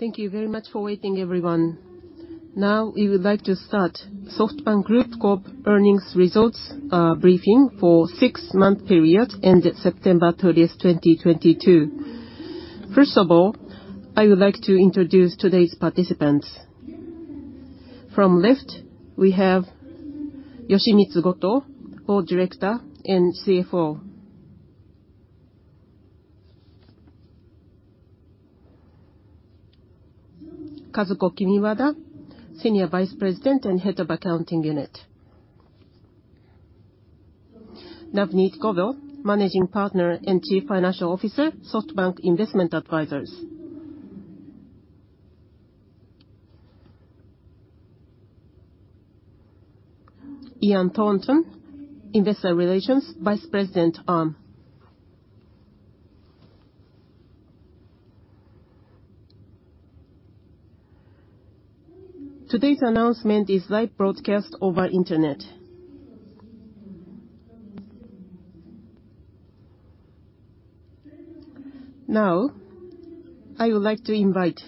Thank you very much for waiting, everyone. Now we would like to start SoftBank Group Corp. earnings results briefing for six-month period ended September 30, 2022. First of all, I would like to introduce today's participants. From left, we have Yoshimitsu Goto, Board Director and CFO. Kazuko Kimiwada, Senior Vice President and Head of Accounting Unit. Navneet Govil, Managing Partner and Chief Financial Officer, SoftBank Investment Advisers. Ian Thornton, Investor Relations Vice President, Arm. Today's announcement is live broadcast over internet. Now, I would like to invite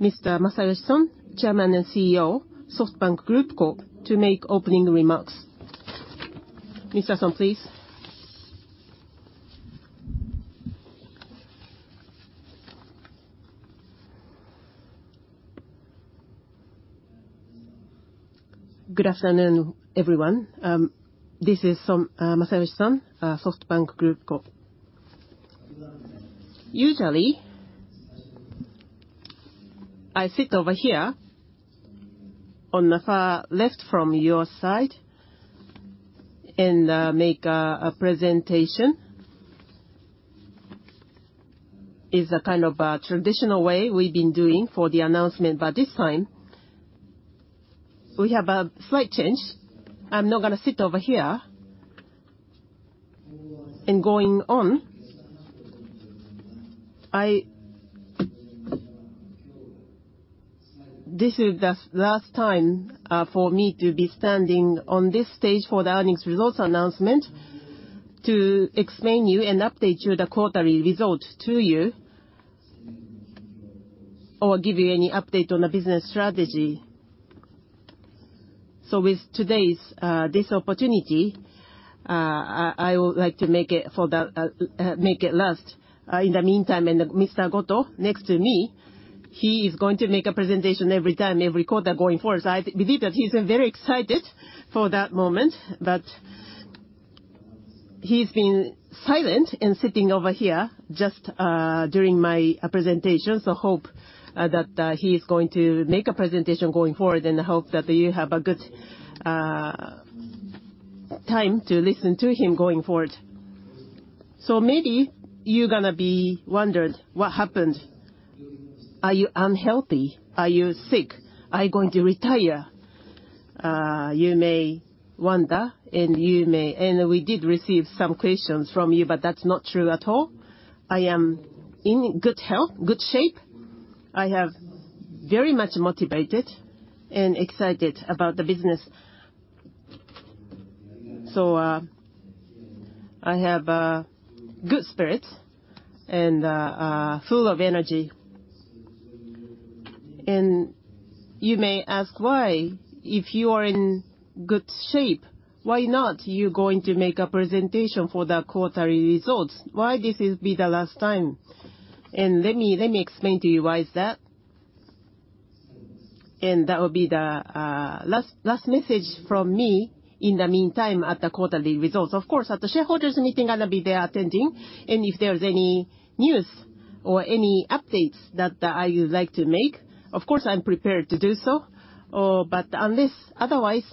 Mr. Masayoshi Son, Chairman and CEO, SoftBank Group Corp., to make opening remarks. Mr. Son, please. Good afternoon, everyone. This is Son, Masayoshi Son, SoftBank Group Corp. Usually, I sit over here on the far left from your side and make a presentation. It's a kind of traditional way we've been doing for the announcement. This time, we have a slight change. I'm not gonna sit over here. This is the last time for me to be standing on this stage for the earnings results announcement to explain you and update you the quarterly results to you, or give you any update on the business strategy. With today's this opportunity, I would like to make it for the, make it last. In the meantime, and Mr. Goto next to me, he is going to make a presentation every time, every quarter going forward. I believe that he's very excited for that moment, but he's been silent and sitting over here just during my presentations. I hope that he is going to make a presentation going forward, and I hope that you have a good time to listen to him going forward. Maybe you're gonna be wondered what happened. Are you unhealthy? Are you sick? Are you going to retire? You may wonder, and you may. We did receive some questions from you, but that's not true at all. I am in good health, good shape. I have very much motivated and excited about the business. I have a good spirit, and are full of energy. You may ask, "Why? If you are in good shape, why not you going to make a presentation for the quarterly results? Why this is be the last time?" Let me explain to you why is that. That would be the last message from me in the meantime at the quarterly results. Of course, at the shareholders meeting, I'm gonna be there attending, and if there's any news or any updates that I would like to make, of course, I'm prepared to do so. Unless otherwise,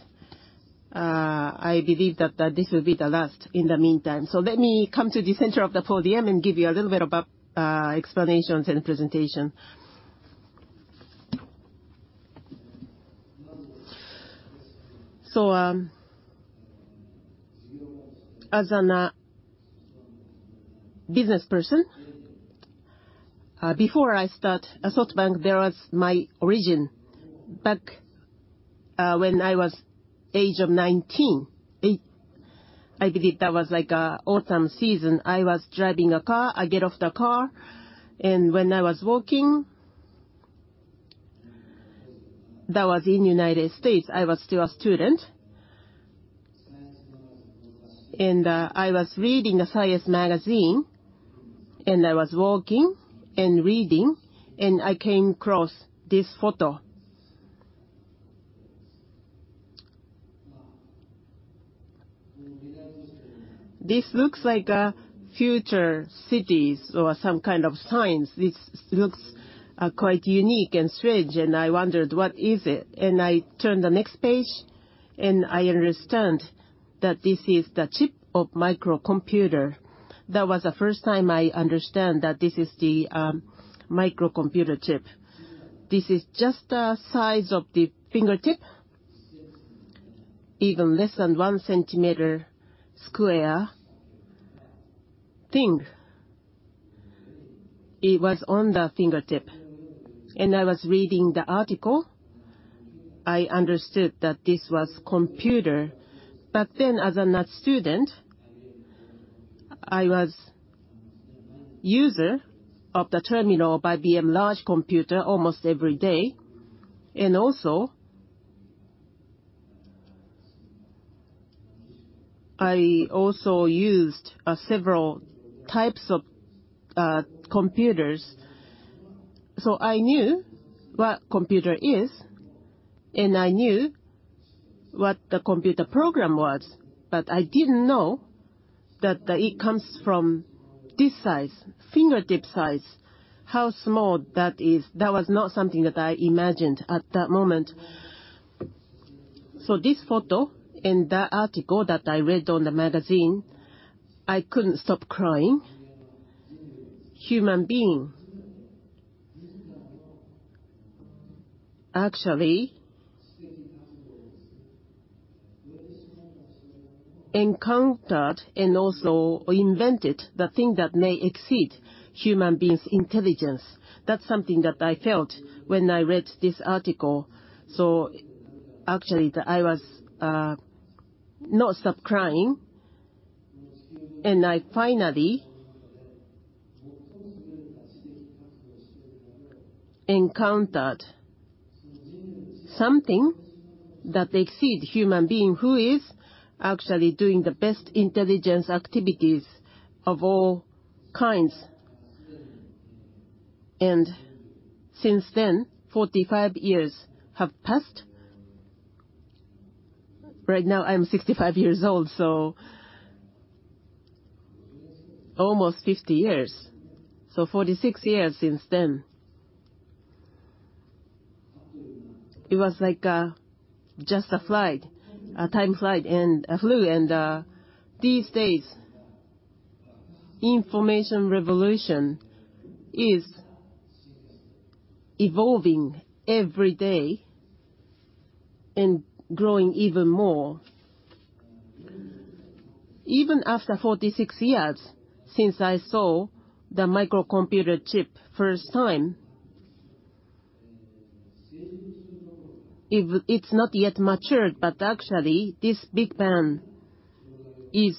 I believe that this will be the last in the meantime. Let me come to the center of the podium and give you a little bit about explanations and presentation. As a businessperson, before I start at SoftBank, there was my origin. Back, when I was age of 19, I believe that was like autumn season, I was driving a car. I get off the car, and when I was walking, that was in United States. I was still a student. I was reading a science magazine, and I was walking and reading, and I came across this photo. This looks like future cities or some kind of science. This looks quite unique and strange, and I wondered, "What is it?" I turn the next page, and I understand that this is the chip of microcomputer. That was the first time I understand that this is the microcomputer chip. This is just the size of the fingertip. Even less than one centimeter square thing. It was on the fingertip, and I was reading the article. I understood that this was computer. Back then, as a student, I was a user of the terminal by IBM large computer almost every day, and I used several types of computers. I knew what computer is, and I knew what the computer program was, but I didn't know that it comes from this size, fingertip size, how small that is. That was not something that I imagined at that moment. This photo and the article that I read on the magazine, I couldn't stop crying. Human being actually encountered and also invented the thing that may exceed human beings' intelligence. That's something that I felt when I read this article. Actually, I was not stop crying, and I finally encountered something that exceed human being, who is actually doing the best intelligence activities of all kinds. Since then, 45 years have passed. Right now, I'm 65 years old, so almost 50 years. 46 years since then. It was like just a flight of time and it flew, and these days, information revolution is evolving every day and growing even more. Even after 46 years since I saw the microcomputer chip first time, if it's not yet matured, but actually this big bang is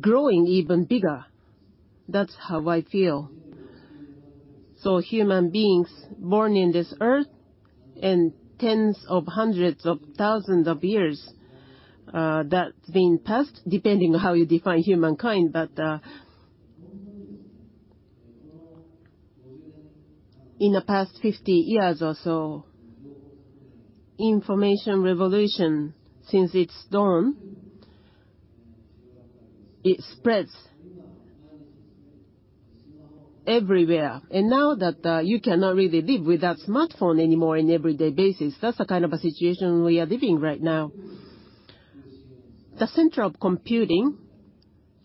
growing even bigger. That's how I feel. Human beings born in this earth and tens of hundreds of thousands of years that been passed, depending on how you define humankind, but. In the past 50 years or so, information revolution, since its dawn, it spreads everywhere. Now that you cannot really live without smartphone anymore in everyday basis, that's the kind of a situation we are living right now. The center of computing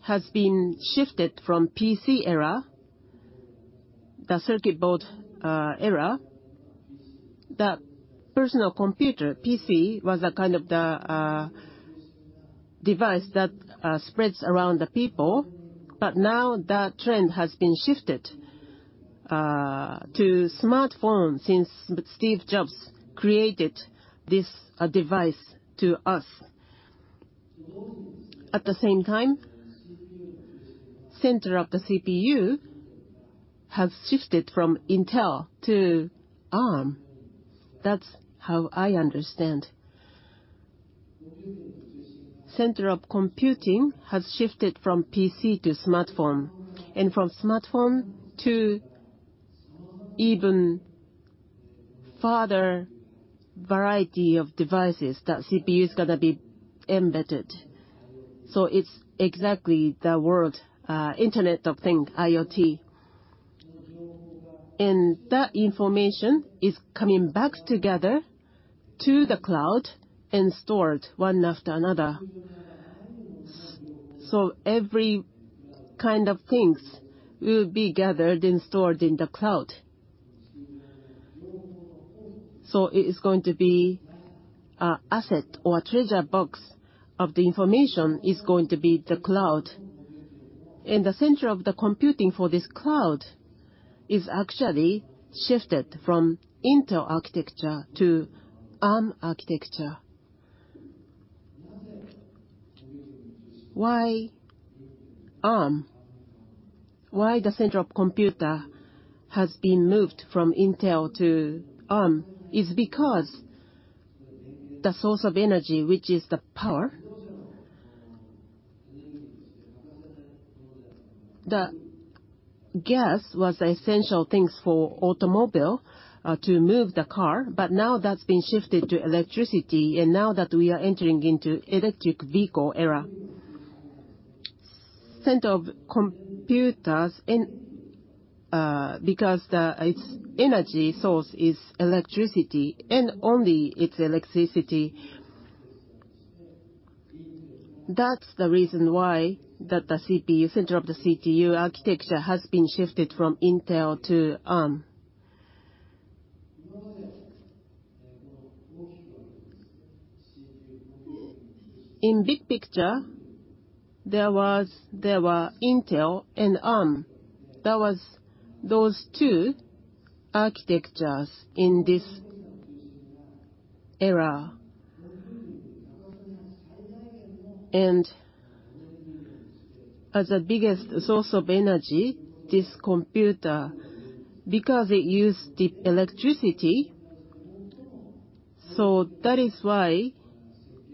has been shifted from PC era, the circuit board era. The personal computer, PC, was a kind of the device that spreads around the people, but now that trend has been shifted to smartphone since Steve Jobs created this device to us. At the same time, center of the CPU has shifted from Intel to Arm. That's how I understand. Center of computing has shifted from PC to smartphone, and from smartphone to even farther variety of devices that CPU is gonna be embedded. It's exactly the word, Internet of Things, IoT. That information is coming back together to the cloud and stored one after another. Every kind of things will be gathered and stored in the cloud. It is going to be asset or treasure box of the information is going to be the cloud. The center of the computing for this cloud is actually shifted from Intel architecture to Arm architecture. Why Arm? Why the center of computer has been moved from Intel to Arm is because the source of energy, which is the power. The gas was the essential things for automobile to move the car, but now that's been shifted to electricity, and now that we are entering into electric vehicle era. Center of computers because its energy source is electricity and only it's electricity, that's the reason why that the CPU, center of the CPU architecture, has been shifted from Intel to Arm. In big picture, there were Intel and Arm. There were those two architectures in this era. As the biggest source of energy, this computer, because it used the electricity, so that is why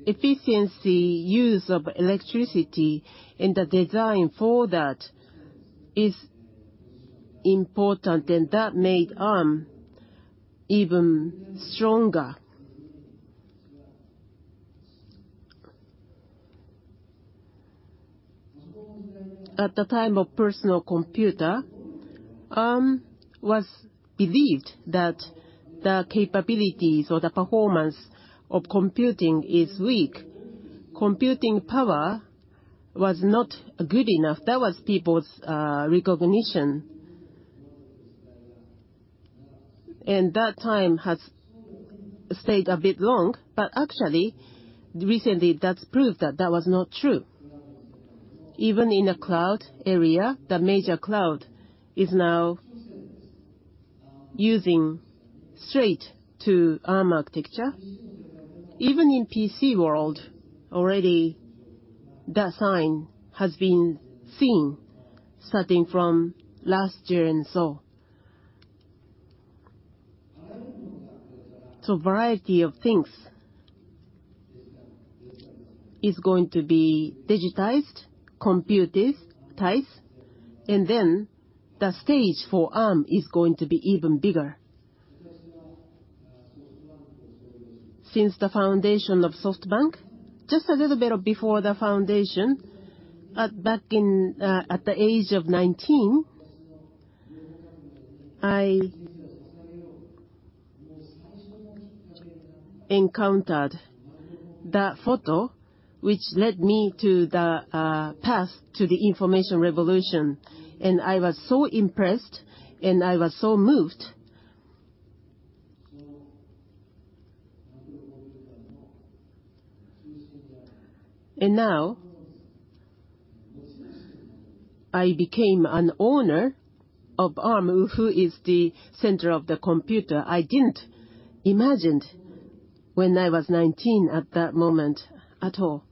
efficient use of electricity and the design for that is important, and that made Arm even stronger. At the time of personal computer, Arm was believed that the capabilities or the performance of computing is weak. Computing power was not good enough. That was people's recognition. That time has stayed a bit long, but actually, recently, that's proved that that was not true. Even in the cloud area, the major cloud is now using straight to Arm architecture. Even in PC world, already that sign has been seen starting from last year and so. Variety of things is going to be digitized, computerized, and then the stage for Arm is going to be even bigger. Since the foundation of SoftBank, just a little bit before the foundation, back in, at the age of 19, I encountered the photo which led me to the path to the information revolution, and I was so impressed, and I was so moved. Now, I became an owner of Arm, who is the center of the computer. I didn't imagined when I was 19 at that moment at all.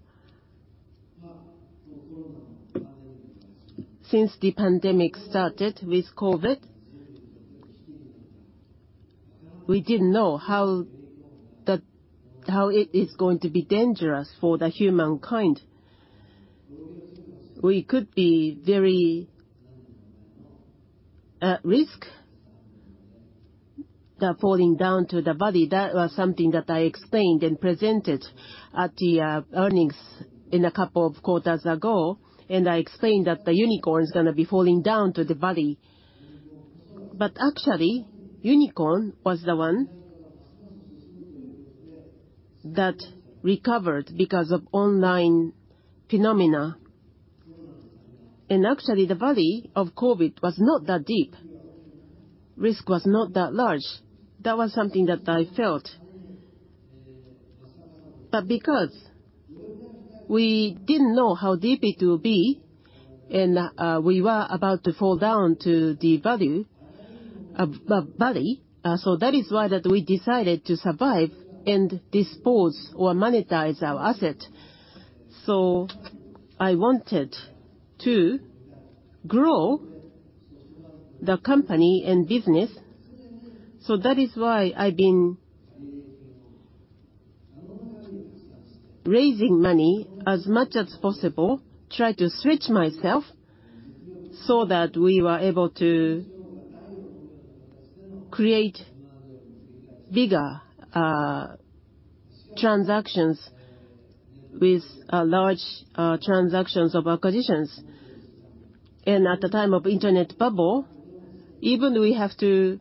Since the pandemic started with COVID, we didn't know how it is going to be dangerous for the humankind. We could be very at risk, the falling down to the valley. That was something that I explained and presented at the earnings in a couple of quarters ago, and I explained that the unicorn is gonna be falling down to the valley. Actually, unicorn was the one that recovered because of online phenomena. Actually, the valley of COVID was not that deep. Risk was not that large. That was something that I felt. Because we didn't know how deep it will be, and we were about to fall down to the valley, so that is why we decided to survive and dispose or monetize our asset. I wanted to grow the company and business, so that is why I've been raising money as much as possible, try to stretch myself so that we were able to create bigger transactions with large transactions of acquisitions. At the time of internet bubble, even we have to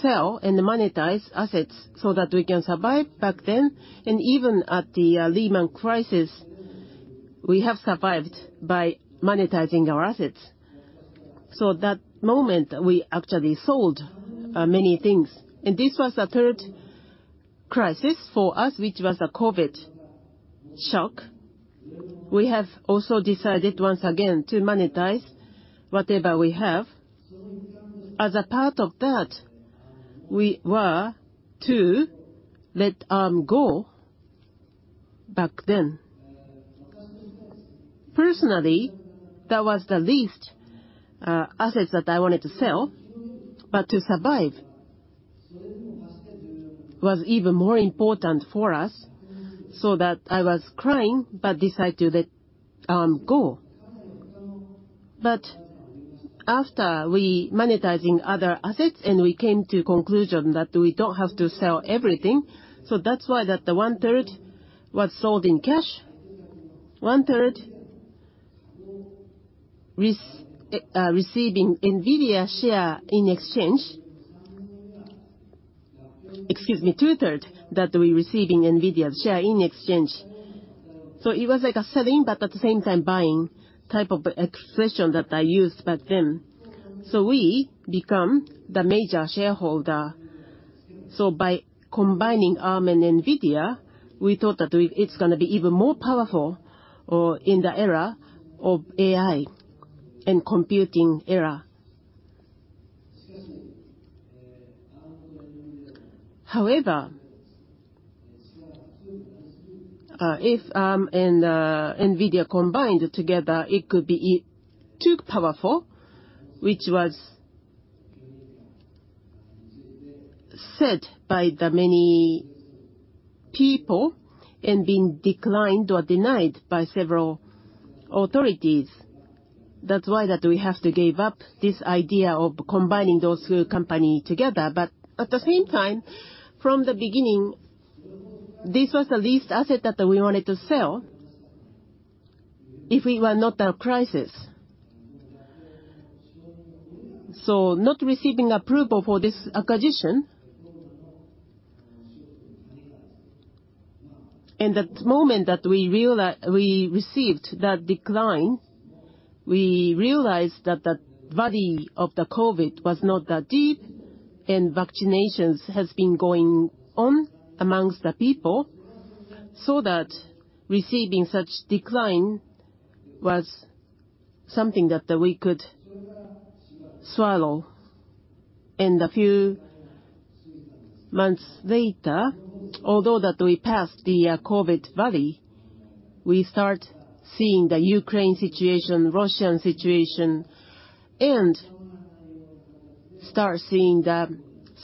sell and monetize assets so that we can survive back then, and even at the Lehman crisis, we have survived by monetizing our assets. At that moment, we actually sold many things. This was the third crisis for us, which was the COVID shock. We have also decided once again to monetize whatever we have. As a part of that, we were to let Arm go back then. Personally, that was the least assets that I wanted to sell, but to survive was even more important for us, so that I was crying, but decided to let Arm go. After we monetizing other assets, and we came to conclusion that we don't have to sell everything, so that's why that the one-third was sold in cash, one-third receiving NVIDIA share in exchange. Excuse me, two-third that we receive in NVIDIA's share in exchange. It was like a selling, but at the same time buying type of expression that I used back then. We become the major shareholder. By combining Arm and NVIDIA, we thought that it's gonna be even more powerful in the era of AI and computing era. However, if Arm and NVIDIA combined together, it could be too powerful, which was said by the many people and being declined or denied by several authorities. That's why that we have to gave up this idea of combining those two company together. At the same time, from the beginning, this was the last asset that we wanted to sell if it were not a crisis. Not receiving approval for this acquisition, and the moment that we received that decline, we realized that the value of the COVID was not that deep, and vaccinations has been going on amongst the people, so that receiving such decline was something that we could swallow. A few months later, although that we passed the COVID valley, we start seeing the Ukraine situation, Russian situation, and start seeing the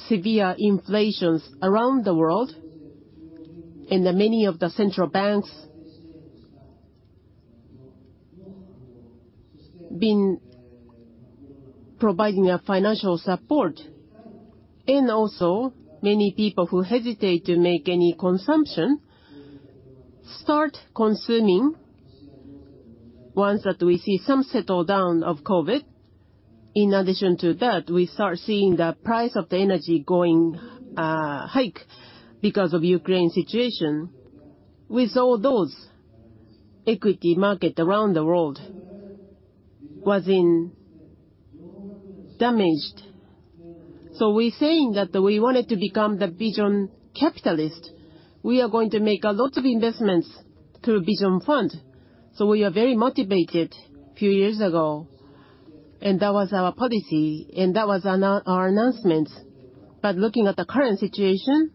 severe inflation around the world. Then many of the central banks been providing financial support. Many people who hesitate to make any consumption, start consuming once that we see some settle down of COVID. In addition to that, we start seeing the price of the energy hiking because of Ukraine situation. With all those, equity market around the world was damaged. We saying that we wanted to become the Vision capitalist. We are going to make a lot of investments through Vision Fund. We are very motivated few years ago, and that was our policy, and that was our announcement. Looking at the current situation,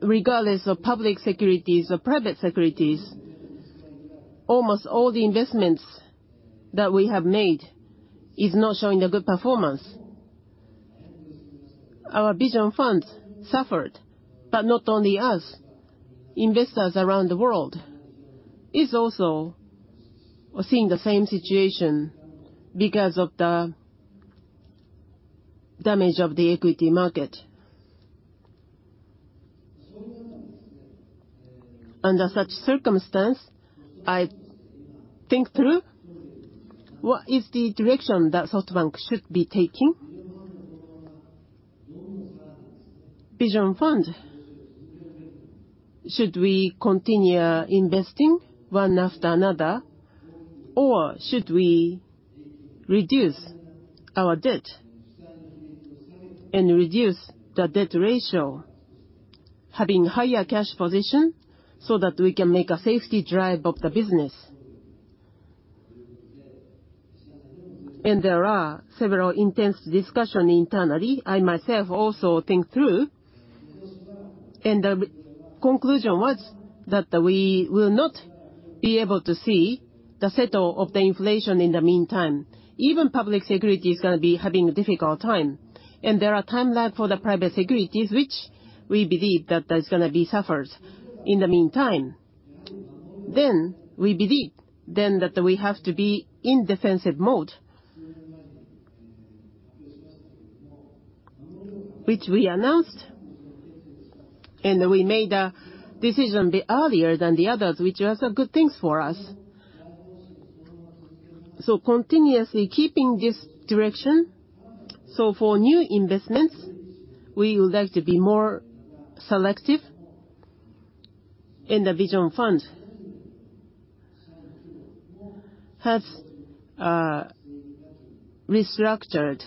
regardless of public securities or private securities, almost all the investments that we have made is not showing a good performance. Our Vision Funds suffered, but not only us, investors around the world is also seeing the same situation because of the damage of the equity market. Under such circumstance, I think through what is the direction that SoftBank should be taking. Vision Fund, should we continue investing one after another, or should we reduce our debt and reduce the debt ratio, having higher cash position so that we can make a safety drive of the business? There are several intense discussion internally. I myself also think through, and the conclusion was that we will not be able to see the settle of the inflation in the meantime. Even public security is gonna be having a difficult time, and there are time lag for the private securities, which we believe that there's gonna be suffers in the meantime. We believe that we have to be in defensive mode, which we announced, and we made a decision bit earlier than the others, which was a good things for us. Continuously keeping this direction, so for new investments, we would like to be more selective, and the Vision Funds have restructured,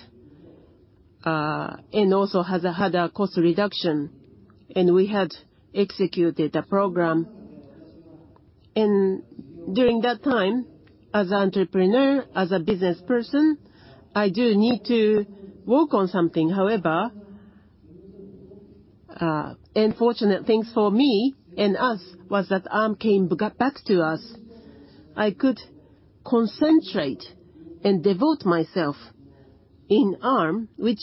and also has had a cost reduction, and we had executed a program. During that time, as an entrepreneur, as a business person, I do need to work on something. However, fortunate things for me and us was that Arm came back to us. I could concentrate and devote myself in Arm, which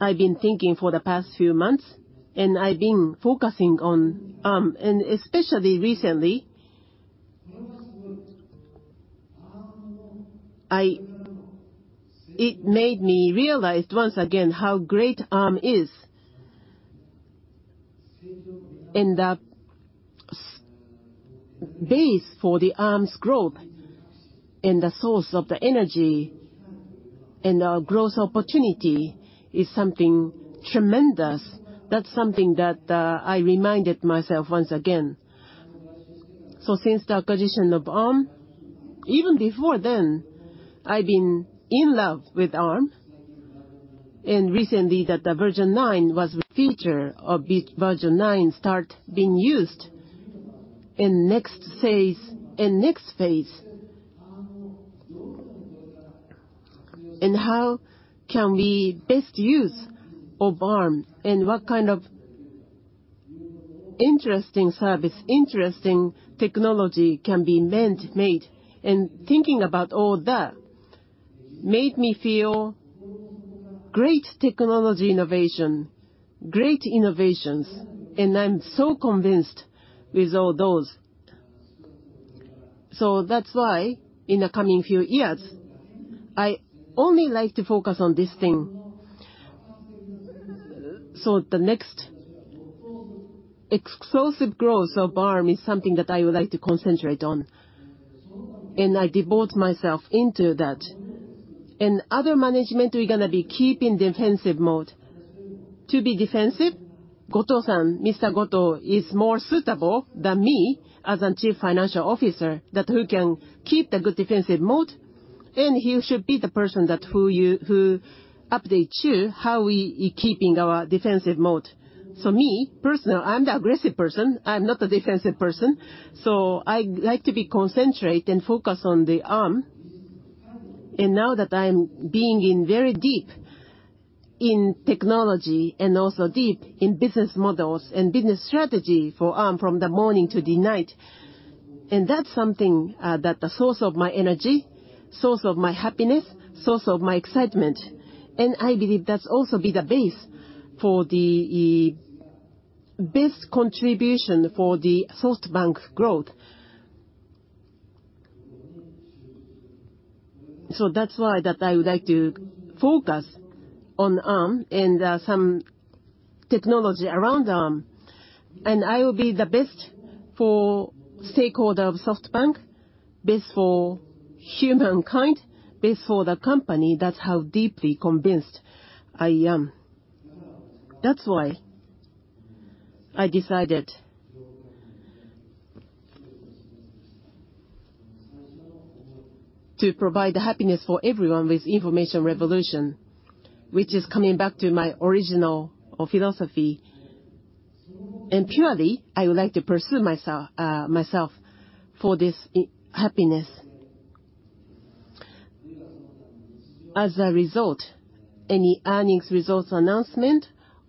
I've been thinking for the past few months, and I've been focusing on Arm, and especially recently. It made me realize once again how great Arm is. And the strong base for the Arm's growth, and the source of the energy, and our growth opportunity is something tremendous. That's something that I reminded myself once again. Since the acquisition of Arm, even before then, I've been in love with Arm, and recently that the Armv9 start being used in next phase, in next phase. How can we best use of Arm, and what kind of interesting service, interesting technology can be made, and thinking about all that made me feel great technology innovation, great innovations, and I'm so convinced with all those. That's why, in the coming few years, I only like to focus on this thing. The next explosive growth of Arm is something that I would like to concentrate on, and I devote myself into that. Other management, we're gonna be keeping defensive mode. To be defensive, Goto-san, Mr. Goto, is more suitable than me as a Chief Financial Officer, that who can keep the good defensive mode, and he should be the person that who you, who update you how we keeping our defensive mode. For me, personal, I'm the aggressive person. I'm not a defensive person, so I like to be concentrate and focus on the Arm. Now that I'm being in very deep in technology and also deep in business models and business strategy for Arm from the morning to the night, and that's something that the source of my energy, source of my happiness, source of my excitement. I believe that's also be the base for the best contribution for the SoftBank's growth. That's why I would like to focus on Arm and some technology around Arm. I will be the best for stakeholder of SoftBank, best for humankind, best for the company. That's how deeply convinced I am. That's why I decided to provide the happiness for everyone with information revolution, which is coming back to my original philosophy. Purely, I would like to pursue myself for this happiness. As a result, any earnings results announcement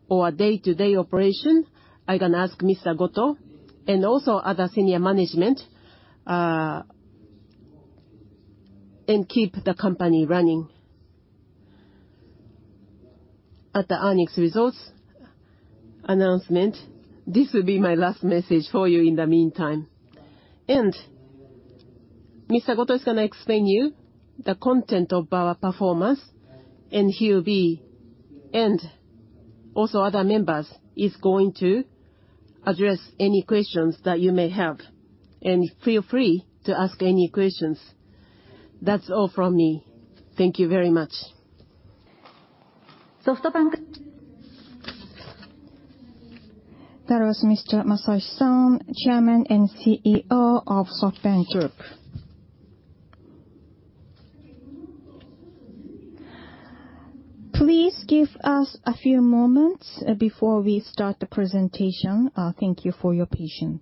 or day-to-day operation, I can ask Mr. Goto and also other senior management, and keep the company running. At the earnings results announcement, this will be my last message for you in the meantime. Mr. Goto is gonna explain you the content of our performance, and he'll be, and also other members is going to address any questions that you may have. Feel free to ask any questions. That's all from me. Thank you very much. That was Mr. Masayoshi Son, Chairman and CEO of SoftBank Group. Please give us a few moments before we start the presentation. Thank you for your patience.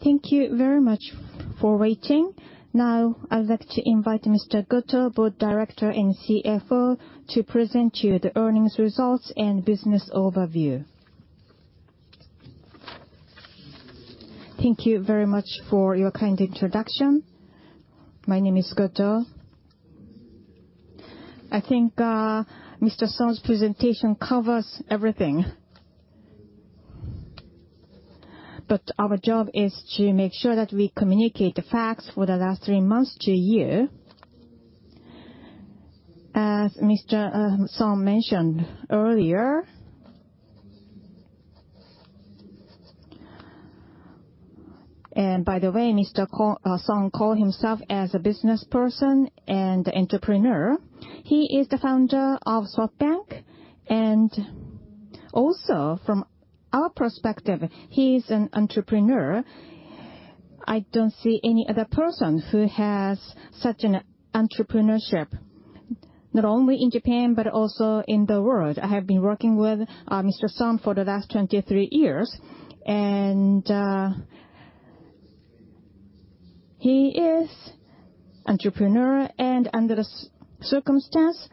Thank you very much for waiting. Now I'd like to invite Mr. Goto, Board Director and CFO, to present you the earnings results and business overview. Thank you very much for your kind introduction. My name is Goto. I think, Mr. Son's presentation covers everything. Our job is to make sure that we communicate the facts for the last three months to a year. As Mr. Son mentioned earlier, and by the way, Mr. Son calls himself as a businessperson and entrepreneur. He is the founder of SoftBank, and also from our perspective, he's an entrepreneur. I don't see any other person who has such an entrepreneurship, not only in Japan, but also in the world. I have been working with Mr. Son for the last 23 years, and he is entrepreneur. Under the circumstance,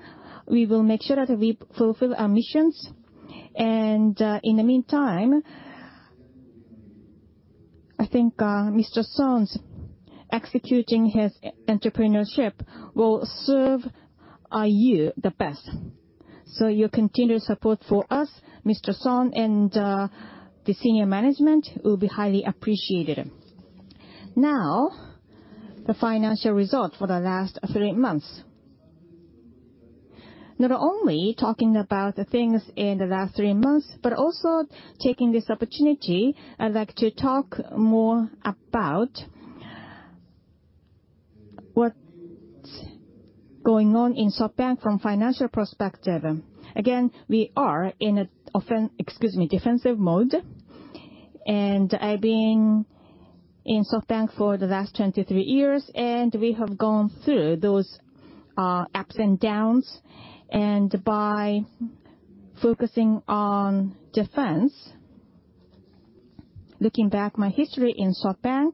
we will make sure that we fulfill our missions. In the meantime, I think, Mr. Son's executing his entrepreneurship will serve you the best. Your continued support for us, Mr. Son, and the senior management will be highly appreciated. Now, the financial result for the last three months. Not only talking about the things in the last three months, but also taking this opportunity, I'd like to talk more about what's going on in SoftBank from financial perspective. Again, we are in a defensive mode. I've been in SoftBank for the last 23 years, and we have gone through those ups and downs. By focusing on defense, looking back my history in SoftBank,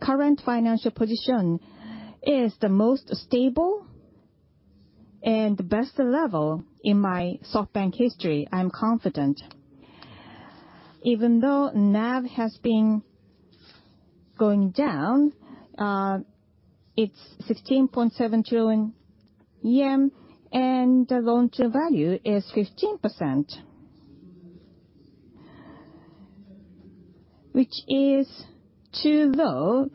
current financial position is the most stable and best level in my SoftBank history. I'm confident. Even though NAV has been going down, it's 16.7 trillion yen, and loan to value is 15%, which is too low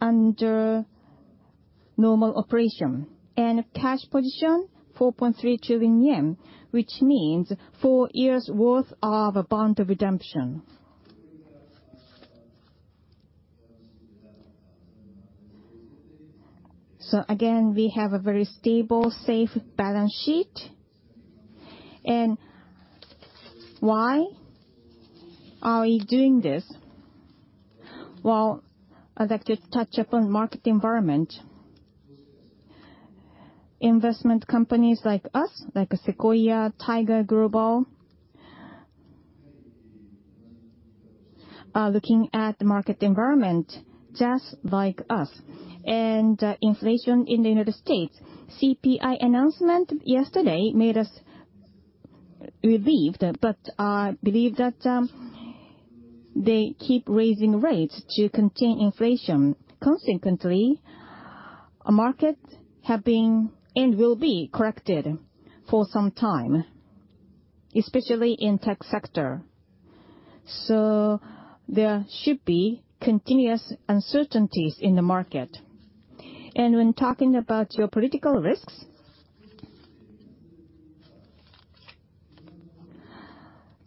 under normal operation. Cash position, 4.3 trillion yen, which means four years' worth of bond redemption. Again, we have a very stable, safe balance sheet. Why are we doing this? Well, I'd like to touch upon market environment. Investment companies like us, like Sequoia, Tiger Global, are looking at the market environment just like us. Inflation in the United States, CPI announcement yesterday made us relieved, but I believe that they keep raising rates to contain inflation. Consequently, markets have been and will be corrected for some time, especially in tech sector. There should be continuous uncertainties in the market. When talking about geopolitical risks,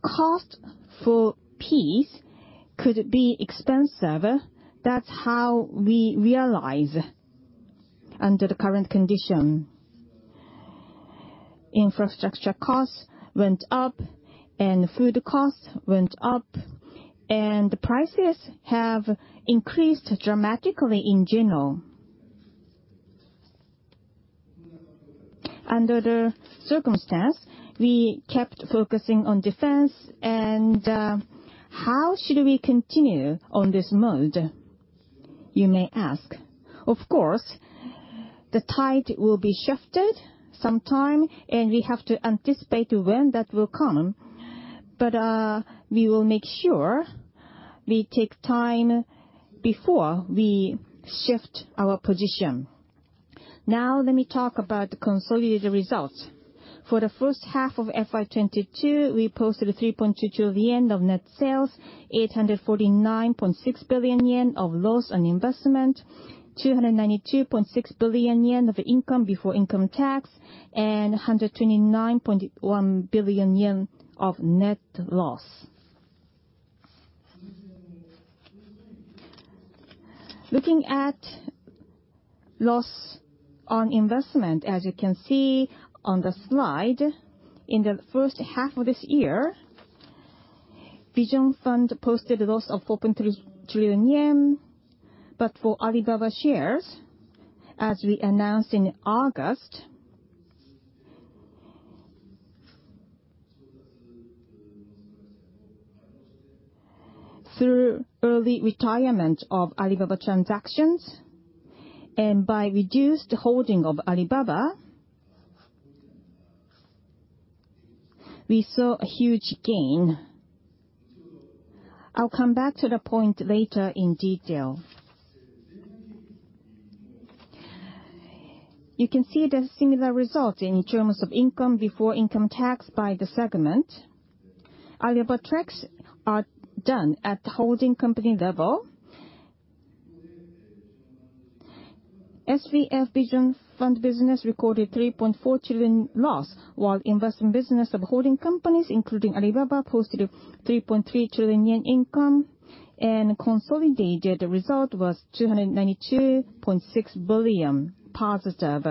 cost for peace could be expensive. That's how we realize under the current condition. Infrastructure costs went up, and food costs went up, and prices have increased dramatically in general. Under the circumstance, we kept focusing on defense. How should we continue on this mode, you may ask. Of course, the tide will be shifted sometime, and we have to anticipate when that will come. We will make sure we take time before we shift our position. Now let me talk about the consolidated results. For the first half of FY 2022, we posted 3.2 trillion yen of net sales, 849.6 billion yen of loss on investment, 292.6 billion yen of income before income tax, and 129.1 billion yen of net loss. Looking at loss on investment, as you can see on the slide, in the first half of this year, Vision Fund posted a loss of 4.3 trillion yen. For Alibaba shares, as we announced in August, through early retirement of Alibaba transactions and by reduced holding of Alibaba, we saw a huge gain. I'll come back to the point later in detail. You can see the similar result in terms of income before income tax by the segment. Alibaba trades are done at holding company level. SVF Vision Fund business recorded 3.4 trillion loss, while investment business of holding companies, including Alibaba, posted 3.3 trillion yen income. Consolidated result was 292.6 billion positive.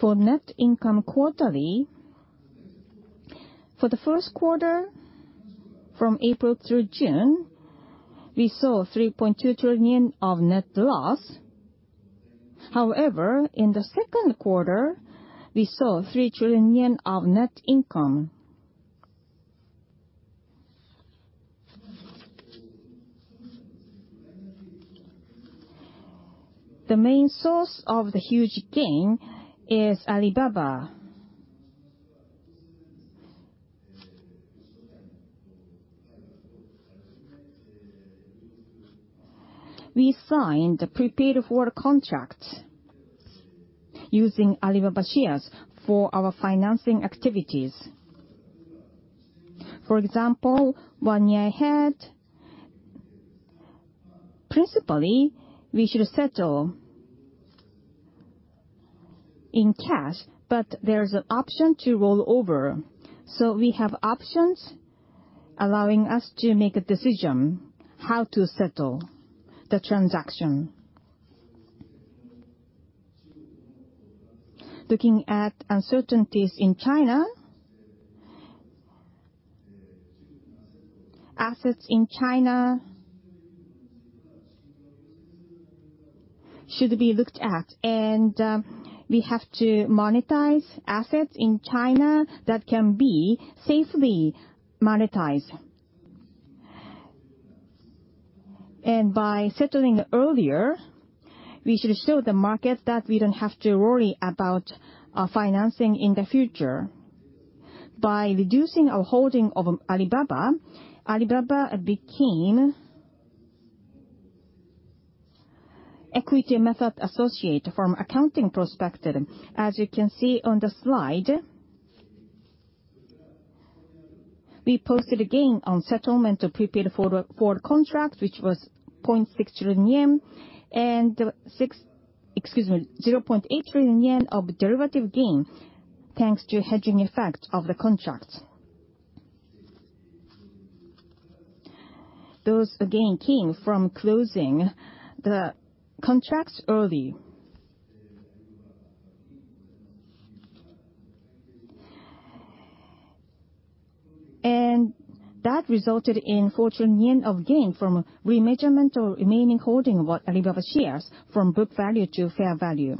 For net income quarterly, for the first quarter, from April through June, we saw 3.2 trillion yen of net loss. However, in the second quarter, we saw 3 trillion yen of net income. The main source of the huge gain is Alibaba. We signed the prepaid forward contracts using Alibaba shares for our financing activities. For example, one year ahead, principally, we should settle in cash, but there's an option to roll over. We have options allowing us to make a decision how to settle the transaction. Looking at uncertainties in China, assets in China should be looked at, and we have to monetize assets in China that can be safely monetized. By settling earlier, we should show the market that we don't have to worry about our financing in the future. By reducing our holding of Alibaba became equity method associate from accounting perspective. As you can see on the slide, we posted a gain on settlement of prepaid forward contract which was 0.6 trillion yen, and zero point eight trillion yen of derivative gain, thanks to hedging effect of the contracts. Those, again, came from closing the contracts early. That resulted in JPY 4 trillion of gain from remeasurement of remaining holding of Alibaba shares from book value to fair value.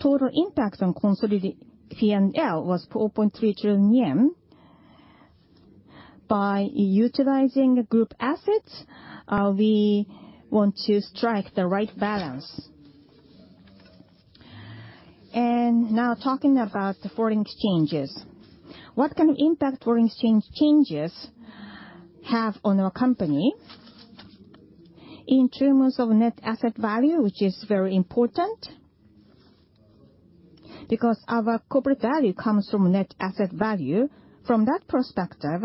Total impact on consolidated P&L was 4.3 trillion yen. By utilizing group assets, we want to strike the right balance. Now talking about the foreign exchange. What kind of impact foreign exchange changes have on our company in terms of net asset value, which is very important because our corporate value comes from net asset value. From that perspective,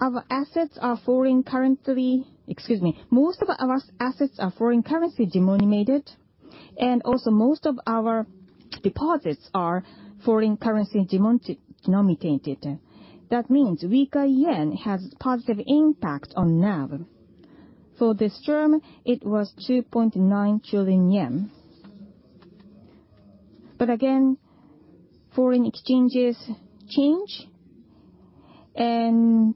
our assets are foreign currency. Excuse me, most of our assets are foreign currency denominated, and also most of our deposits are foreign currency denominated. That means weaker yen has positive impact on NAV. For this term, it was 2.9 trillion yen. Again, foreign exchanges change, and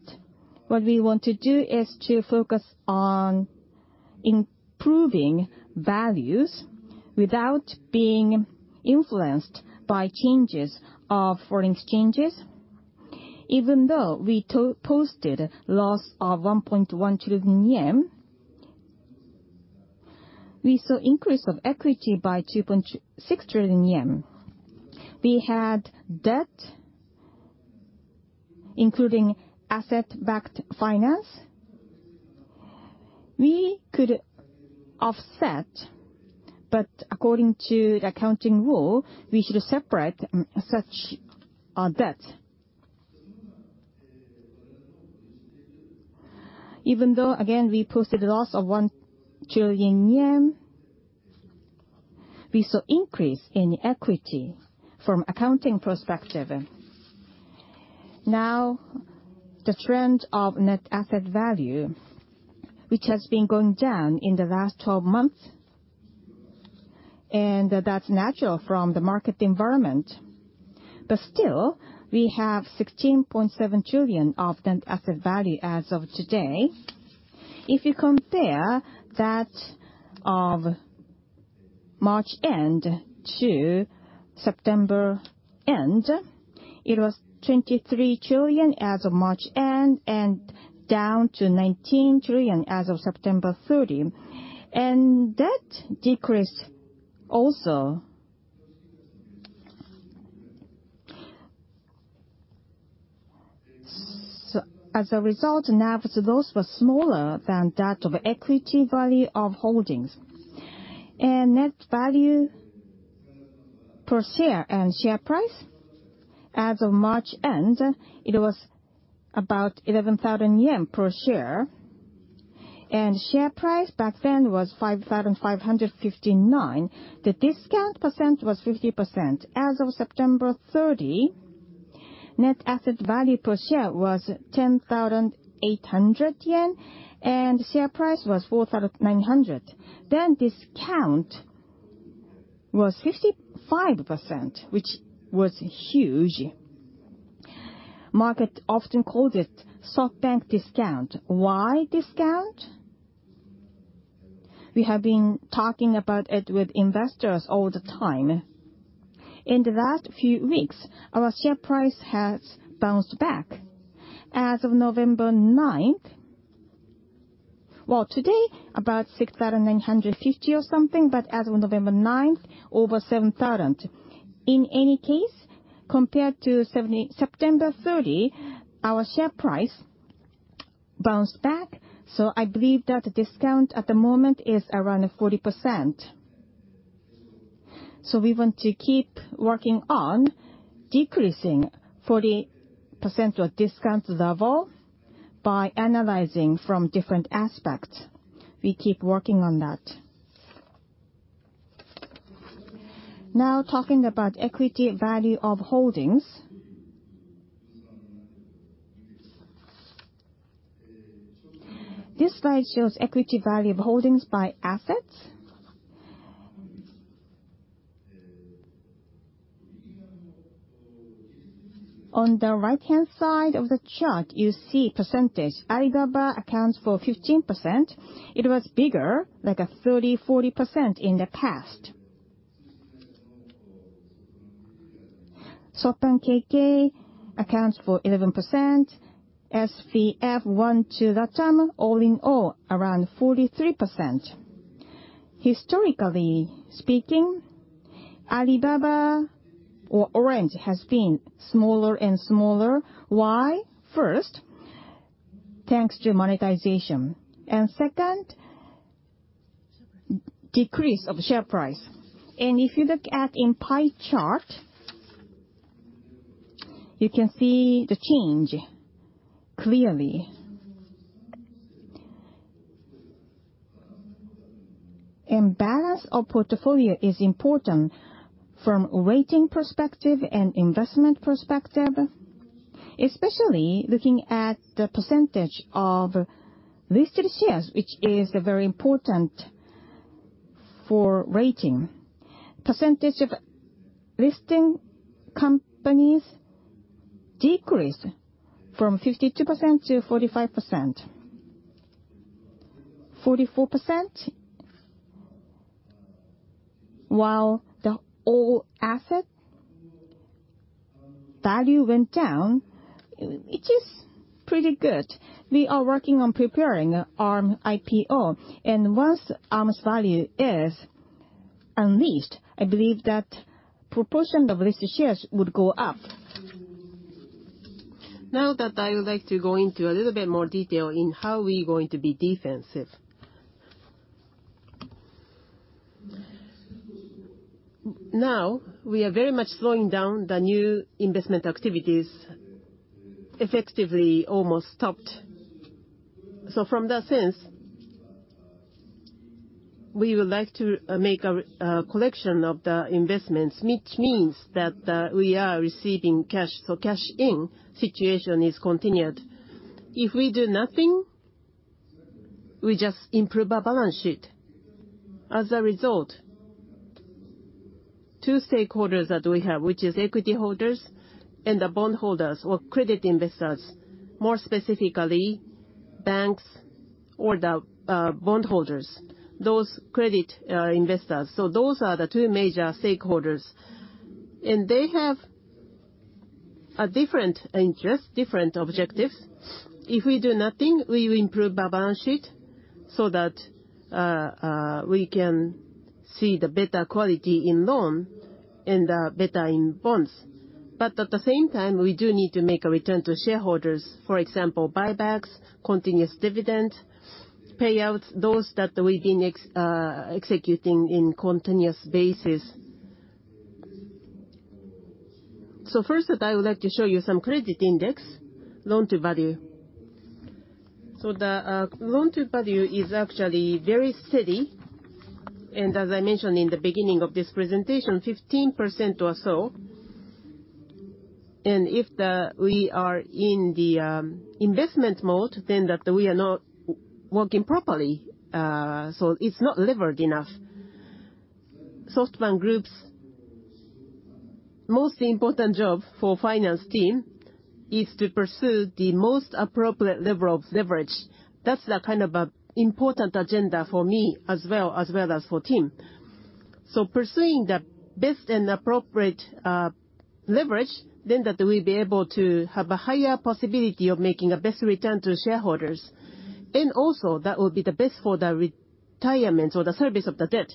what we want to do is to focus on improving values without being influenced by changes of foreign exchanges. Even though we posted loss of 1.1 trillion yen, we saw increase of equity by 2.6 trillion yen. We had debt, including asset-backed finance. We could offset, but according to the accounting rule, we should separate such debt. Even though, again, we posted a loss of 1 trillion yen, we saw increase in equity from accounting perspective. Now, the trend of net asset value, which has been going down in the last 12 months, and that's natural from the market environment. Still, we have 16.7 trillion of net asset value as of today. If you compare that of March end to September end, it was 23 trillion as of March end and down to 19 trillion as of September 30. That decrease also. As a result, NAVs, those were smaller than that of equity value of holdings. Net value per share and share price as of March end, it was about 11,000 yen per share. Share price back then was 5,559. The discount percent was 50%. As of September 30, net asset value per share was 10,800 yen, and share price was 4,900. Discount was 55%, which was huge. Market often called it SoftBank discount. Why discount? We have been talking about it with investors all the time. In the last few weeks, our share price has bounced back. As of November ninth. Well, today, about 6,950 or something, but as of November 9, over 7,000. In any case, compared to September thirty, our share price bounced back, so I believe that the discount at the moment is around 40%. We want to keep working on decreasing 40% discount level by analyzing from different aspects. We keep working on that. Now talking about equity value of holdings. This slide shows equity value of holdings by assets. On the right-hand side of the chart, you see percentage. Alibaba accounts for 15%. It was bigger, like at 30, 40% in the past. SoftBank KK accounts for 11%. SVF 1, 2, Latam, all in all, around 43%. Historically speaking, Alibaba, Arm has been smaller and smaller. Why? First, thanks to monetization, and second, decrease of share price. If you look at the pie chart, you can see the change clearly. Balance of portfolio is important from rating perspective and investment perspective, especially looking at the percentage of listed shares, which is very important for rating. Percentage of listed companies decreased from 52% to 45%, 44%, while the whole asset value went down, which is pretty good. We are working on preparing Arm IPO. Once Arm's value is unleashed, I believe that proportion of listed shares would go up. Now that I would like to go into a little bit more detail in how we're going to be defensive. Now, we are very much slowing down the new investment activities, effectively almost stopped. From that sense, we would like to make a collection of the investments, which means that we are receiving cash. Cash in situation is continued. If we do nothing, we just improve our balance sheet. As a result, two stakeholders that we have, which is equity holders and the bondholders or credit investors, more specifically banks or the bondholders, those credit investors. Those are the two major stakeholders. They have a different interest, different objectives. If we do nothing, we will improve our balance sheet so that we can see the better quality in loan and better in bonds. At the same time, we do need to make a return to shareholders, for example, buybacks, continuous dividend payouts, those that we've been executing in continuous basis. First, I would like to show you some credit index loan to value. The loan to value is actually very steady, and as I mentioned in the beginning of this presentation, 15% or so. If we are in the investment mode, then that we are not working properly. It's not levered enough. SoftBank Group's most important job for finance team is to pursue the most appropriate level of leverage. That's the kind of important agenda for me as well as for team. Pursuing the best and appropriate leverage, then that we'll be able to have a higher possibility of making the best return to shareholders. Also, that will be the best for the retirement or the service of the debt.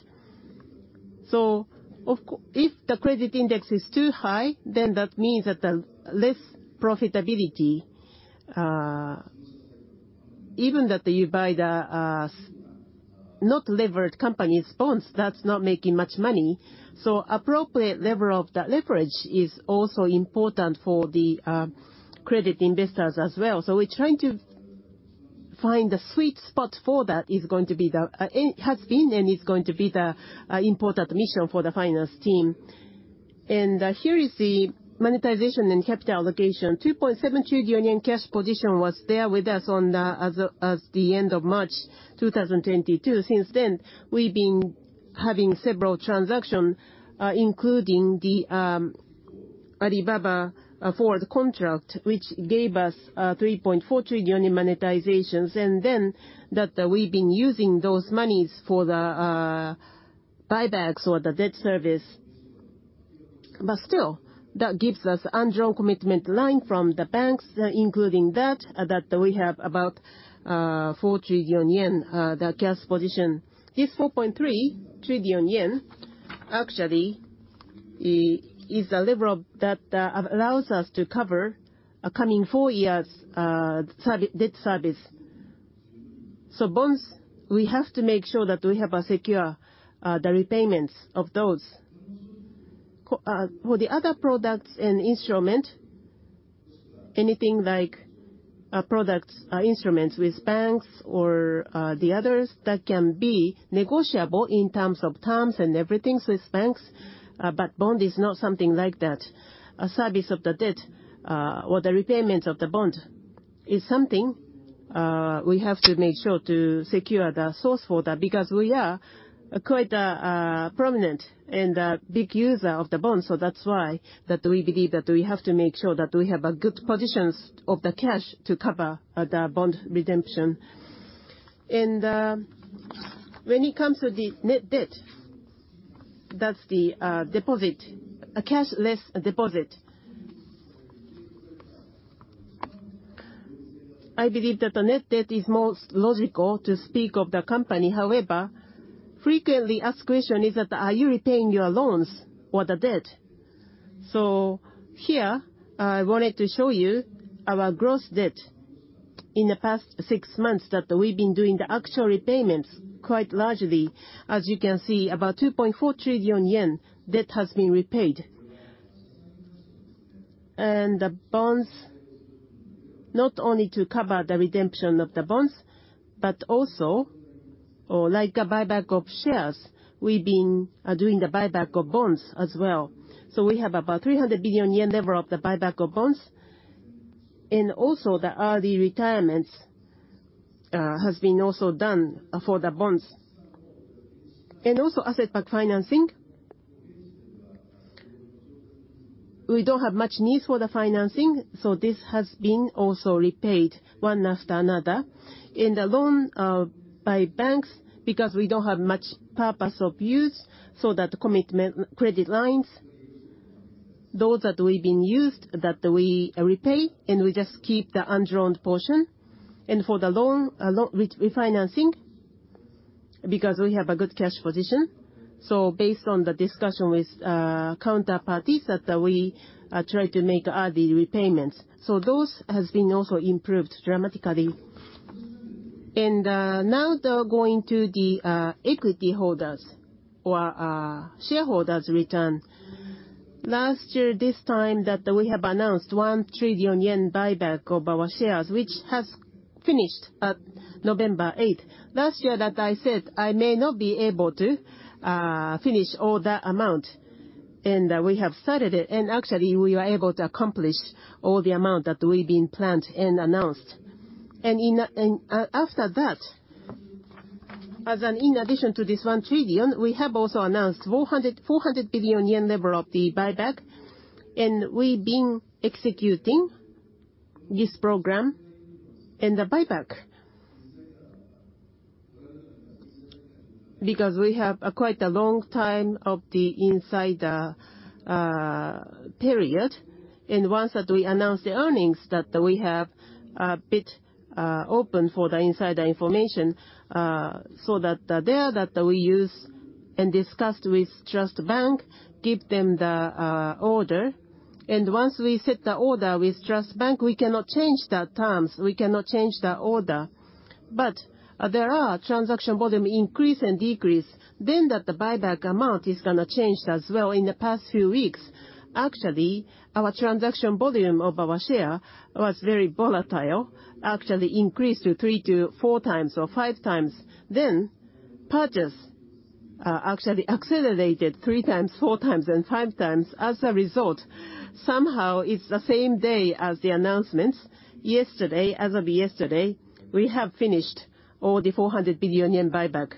Of course if the credit index is too high, then that means that the less profitability, even if you buy the unlevered company's bonds, that's not making much money. Appropriate level of the leverage is also important for the credit investors as well. We're trying to find the sweet spot for that. It has been and is going to be the important mission for the finance team. Here is the monetization and capital allocation. 2.7 trillion cash position was there with us as of the end of March 2022. Since then, we've been having several transactions, including the Alibaba contract, which gave us 3.4 trillion in monetizations. We've been using those monies for the buybacks or the debt service. Still, that gives us undrawn commitment line from the banks, including that we have about 4 trillion yen, the cash position. This 4.3 trillion yen actually is a level that allows us to cover a coming four years, debt service. Bonds, we have to make sure that we have a secure the repayments of those. For the other products and instrument, anything like products, instruments with banks or the others that can be negotiable in terms of terms and everything with banks. Bond is not something like that. The servicing of the debt or the repayment of the bond is something we have to make sure to secure the source for that because we are quite a prominent and big user of the bond. That's why we believe that we have to make sure that we have a good position of the cash to cover the bond redemption. When it comes to the net debt, that's the debt less cash. I believe that the net debt is the most logical to speak of the company. However, the frequently asked question is, are you repaying your loans or the debt? Here, I wanted to show you our gross debt in the past six months that we've been doing the actual repayments quite largely. As you can see, about 2.4 trillion yen of debt has been repaid. The bonds, not only to cover the redemption of the bonds, but also, or like a buyback of shares, we've been doing the buyback of bonds as well. We have about 300 billion yen level of the buyback of bonds. The early retirements has been also done for the bonds. Asset-backed financing. We don't have much needs for the financing, so this has been also repaid one after another. In the loan by banks, because we don't have much purpose of use, so that commitment credit lines, those that we've been used, that we repay, and we just keep the undrawn portion. For the loan re-refinancing, because we have a good cash position. Based on the discussion with counterparties that we try to make early repayments. Those has been also improved dramatically. Now they're going to the equity holders or shareholders return. Last year, this time that we have announced 1 trillion yen buyback of our shares, which has finished at November eighth. Last year that I said I may not be able to finish all that amount, and we have started it, and actually we were able to accomplish all the amount that we've been planned and announced. After that, in addition to this 1 trillion, we have also announced 400 billion yen level of the buyback. We've been executing this program and the buyback. Because we have a quite a long time of the insider period, and once that we announce the earnings that we have a bit open for the insider information, so that there that we use and discussed with Trust Bank, give them the order. Once we set the order with Trust Bank, we cannot change the terms, we cannot change the order. There are transaction volume increase and decrease, then that the buyback amount is gonna change as well. In the past few weeks, actually, our transaction volume of our share was very volatile, actually increased to 3-4 times or 5 times. Then purchase actually accelerated 3 times, 4 times and 5 times. As a result, somehow it's the same day as the announcements. Yesterday, as of yesterday, we have finished all the 400 billion yen buyback.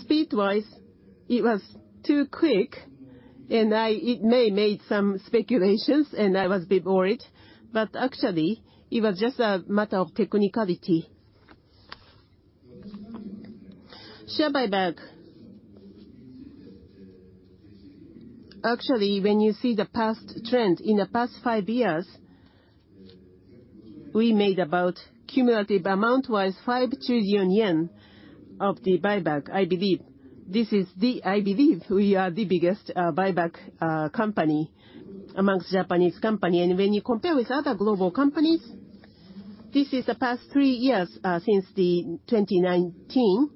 Speed-wise, it was too quick, it may have made some speculations, and I was a bit worried, but actually it was just a matter of technicality. Share buyback. Actually, when you see the past trend, in the past 5 years, we made about cumulative amount-wise 5 trillion yen of the buyback, I believe. I believe we are the biggest buyback company amongst Japanese companies. When you compare with other global companies, this is the past three years, since 2019,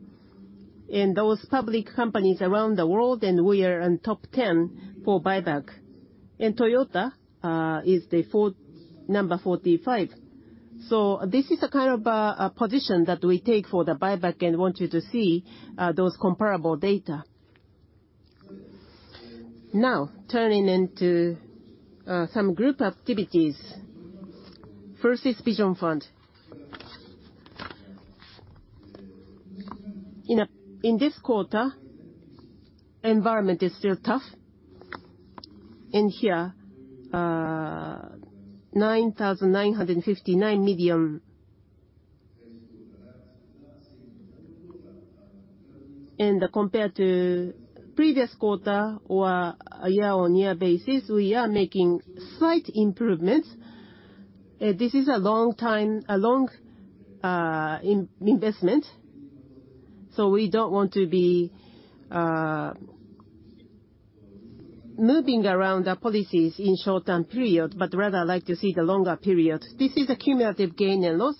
and those public companies around the world, and we are in top 10 for buyback. Toyota is number 45. This is the kind of position that we take for the buyback and want you to see those comparable data. Now, turning to some group activities. First is Vision Fund. In this quarter, environment is still tough. In here, JPY 9,959 million. Compared to previous quarter or a year-on-year basis, we are making slight improvements. This is a long investment, so we don't want to be moving around the policies in short-term period, but rather like to see the longer period. This is a cumulative gain and loss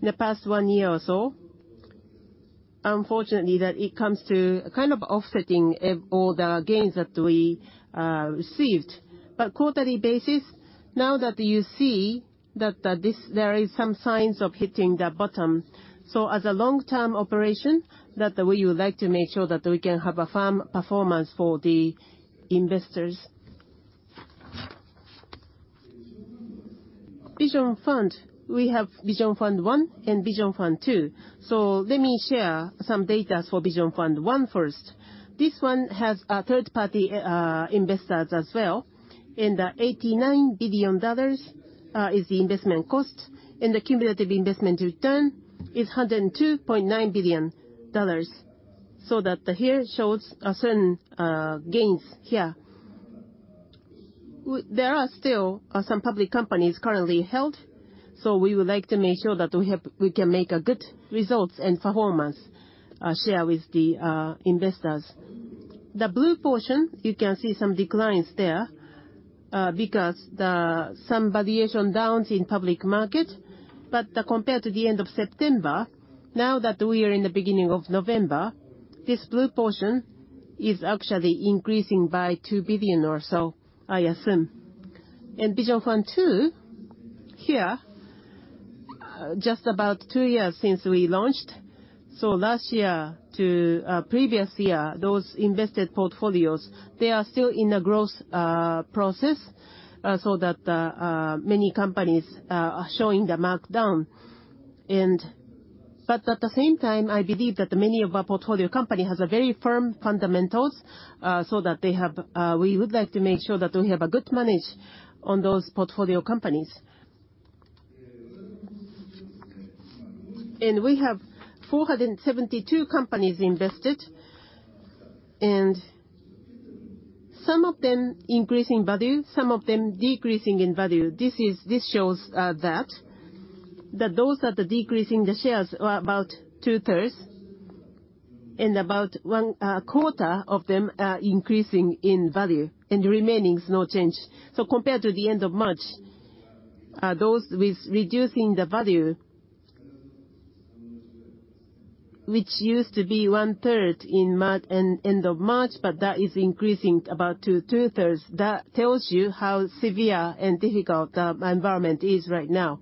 in the past one year or so. Unfortunately, that it comes to kind of offsetting all the gains that we received. Quarterly basis, now that you see that this there is some signs of hitting the bottom, so as a long-term operation that we would like to make sure that we can have a firm performance for the investors. Vision Fund, we have Vision Fund 1 and Vision Fund 2. Let me share some data for Vision Fund 1 first. This one has third-party investors as well. $89 billion is the investment cost, and the cumulative investment return is $102.9 billion. That here shows a certain gains here. There are still some public companies currently held. We would like to make sure that we have we can make a good results and performance share with the investors. The blue portion, you can see some declines there because some valuation downs in public market. Compared to the end of September, now that we are in the beginning of November, this blue portion is actually increasing by $2 billion or so, I assume. In Vision Fund 2, here, just about two years since we launched. Last year to previous year, those invested portfolios they are still in a growth process, so that many companies are showing the markdown. But at the same time, I believe that many of our portfolio company has a very firm fundamentals, so that they have we would like to make sure that we have a good management on those portfolio companies. We have 472 companies invested, and some of them increasing value, some of them decreasing in value. This shows that those are the decreasing the shares are about two-thirds, and about one quarter of them are increasing in value, and the remaining is no change. Compared to the end of March, those with reducing the value, which used to be one-third in end of March, but that is increasing about two-thirds. That tells you how severe and difficult the environment is right now.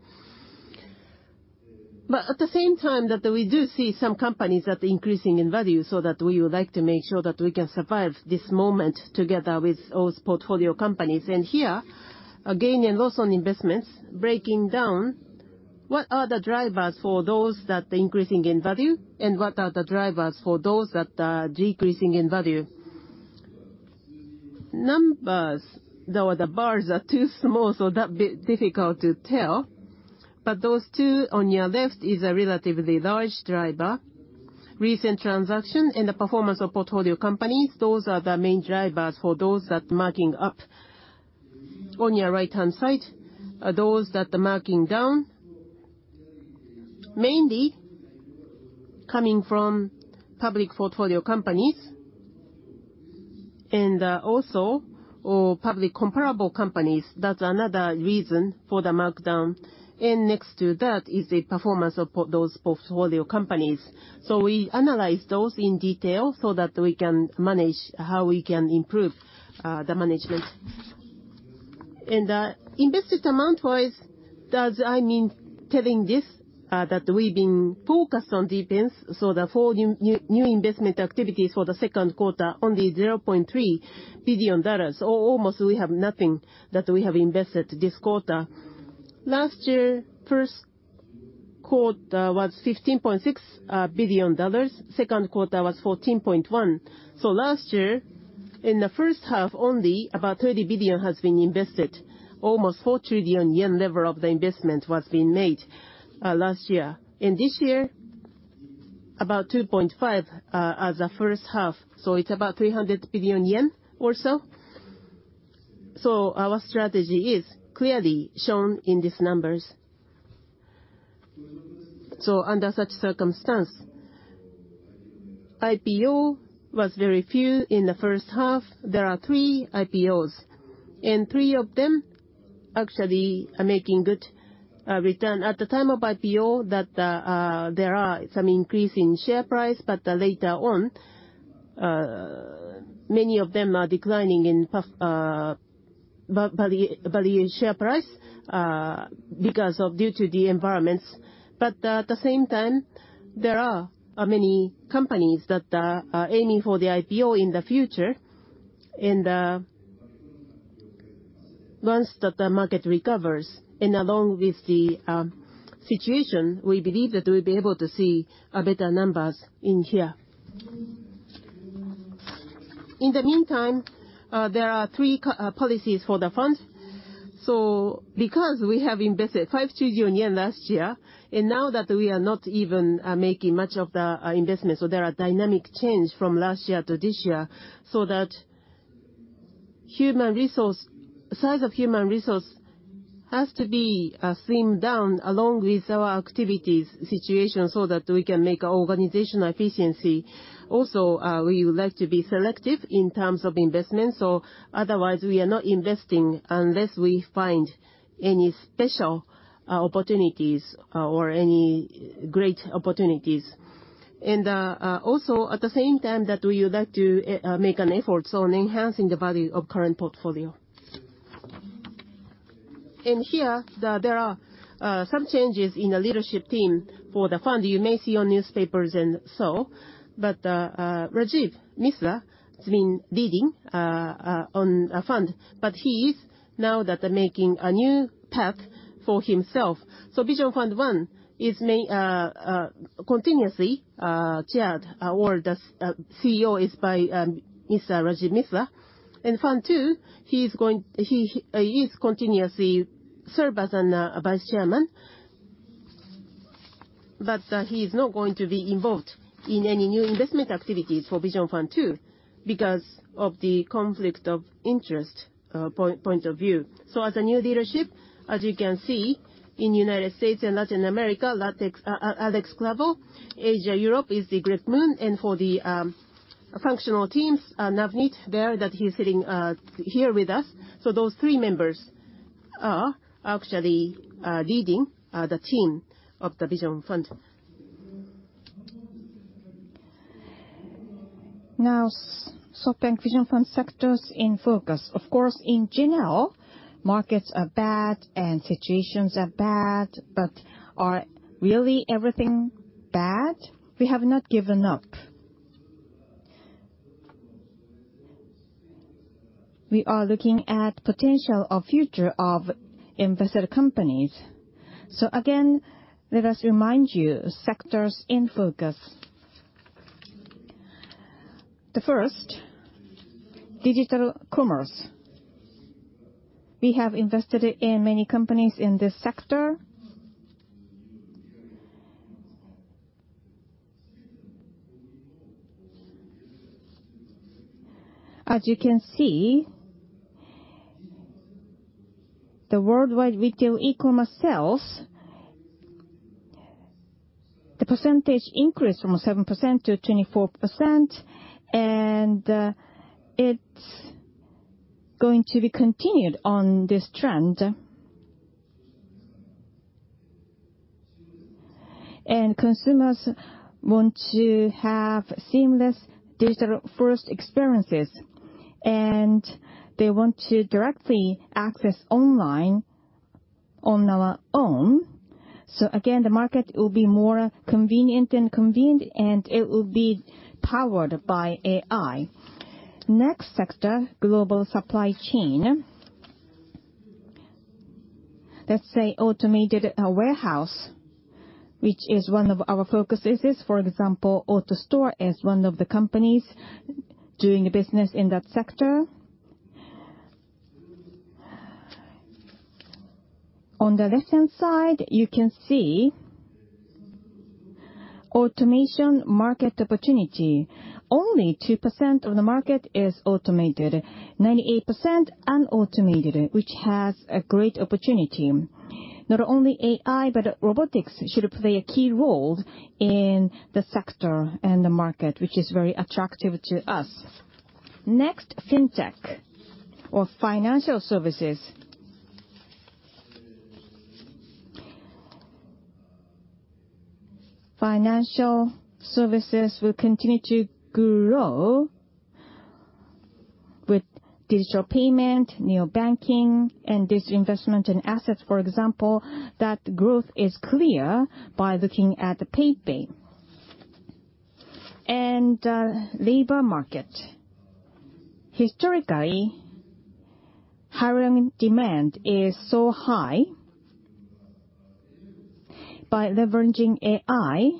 At the same time, that we do see some companies that increasing in value, so that we would like to make sure that we can survive this moment together with those portfolio companies. Here, again, in loss on investments, breaking down what are the drivers for those that are increasing in value, and what are the drivers for those that are decreasing in value. Numbers, though the bars are too small, so that'd be difficult to tell, but those two on your left is a relatively large driver. Recent transaction and the performance of portfolio companies, those are the main drivers for those that marking up. On your right-hand side are those that are marking down, mainly coming from public portfolio companies and also public comparable companies. That's another reason for the markdown. Next to that is the performance of those portfolio companies. We analyze those in detail so that we can manage how we can improve the management. Invested amount-wise, I mean, it tells us that we've been focused on defense, so all new investment activities for the second quarter, only $0.3 billion, almost we have nothing that we have invested this quarter. Last year, first quarter was $15.6 billion. Second quarter was $14.1 billion. Last year, in the first half, only about $30 billion has been invested. Almost 4 trillion yen level of the investment was being made last year. This year, about $2.5 billion at the first half, so it's about 300 billion yen or so. Our strategy is clearly shown in these numbers. Under such circumstance, IPO was very few in the first half. There are three IPOs, and three of them actually are making good return. At the time of IPO, there are some increase in share price, but later on, many of them are declining in value, share price because of due to the environments. At the same time, there are many companies that are aiming for the IPO in the future. Once the market recovers, and along with the situation, we believe that we'll be able to see better numbers in here. In the meantime, there are three core policies for the funds. Because we have invested 5 trillion yen last year, and now that we are not even making much of the investments, there are dynamic changes from last year to this year so that human resource size has to be slimmed down along with our activities situation so that we can make organizational efficiency. Also, we would like to be selective in terms of investments. Otherwise we are not investing unless we find any special opportunities or any great opportunities. Also at the same time that we would like to make an effort on enhancing the value of current portfolio. Here, there are some changes in the leadership team for the fund. You may see on newspapers and so, Rajeev Misra has been leading on a fund, but he is now that they're making a new path for himself. Vision Fund 1 is continuously chaired or the CEO is by Mr. Rajeev Misra. In Fund 2, he is continuously serve as vice chairman. But he is not going to be involved in any new investment activities for Vision Fund 2 because of the conflict of interest point of view. As a new leadership, as you can see, in United States and Latin America, Alex Clavel, Asia, Europe is the Greg Moon, and for the functional teams, Navneet there, that he's sitting here with us. Those three members are actually leading the team of the Vision Fund. Now, SoftBank Vision Fund sectors in focus. Of course, in general, markets are bad and situations are bad, but are really everything bad? We have not given up. We are looking at potential of future of invested companies. Again, let us remind you sectors in focus. The first, digital commerce. We have invested in many companies in this sector. As you can see, the worldwide retail e-commerce sales, the percentage increased from 7% to 24%, and it's going to be continued on this trend. Consumers want to have seamless digital-first experiences, and they want to directly access online on their own. Again, the market will be more convenient and connected, and it will be powered by AI. Next sector, global supply chain. Let's say automated warehouse, which is one of our focuses. For example, AutoStore is one of the companies doing business in that sector. On the left-hand side, you can see automation market opportunity. Only 2% of the market is automated. 98% unautomated, which has a great opportunity. Not only AI, but robotics should play a key role in the sector and the market, which is very attractive to us. Next, Fintech or financial services. Financial services will continue to grow with digital payment, new banking, and this investment in assets, for example, that growth is clear by looking at the PayPay. Labor market. Historically, hiring demand is so high. By leveraging AI,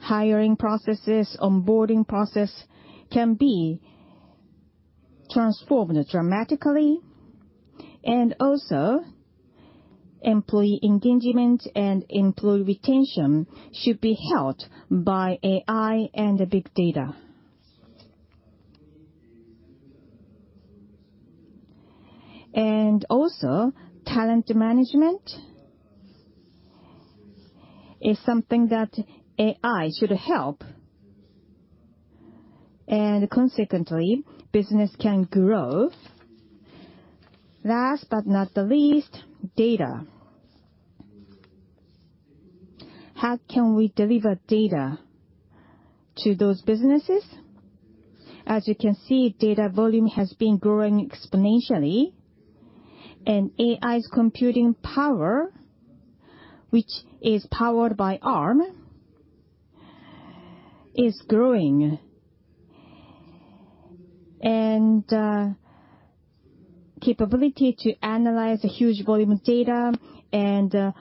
hiring processes, onboarding process can be transformed dramatically. Employee engagement and employee retention should be helped by AI and big data. Talent management is something that AI should help. Consequently, business can grow. Last but not the least, data. How can we deliver data to those businesses? As you can see, data volume has been growing exponentially, and AI's computing power, which is powered by Arm. Is growing. Capability to analyze a huge volume of data and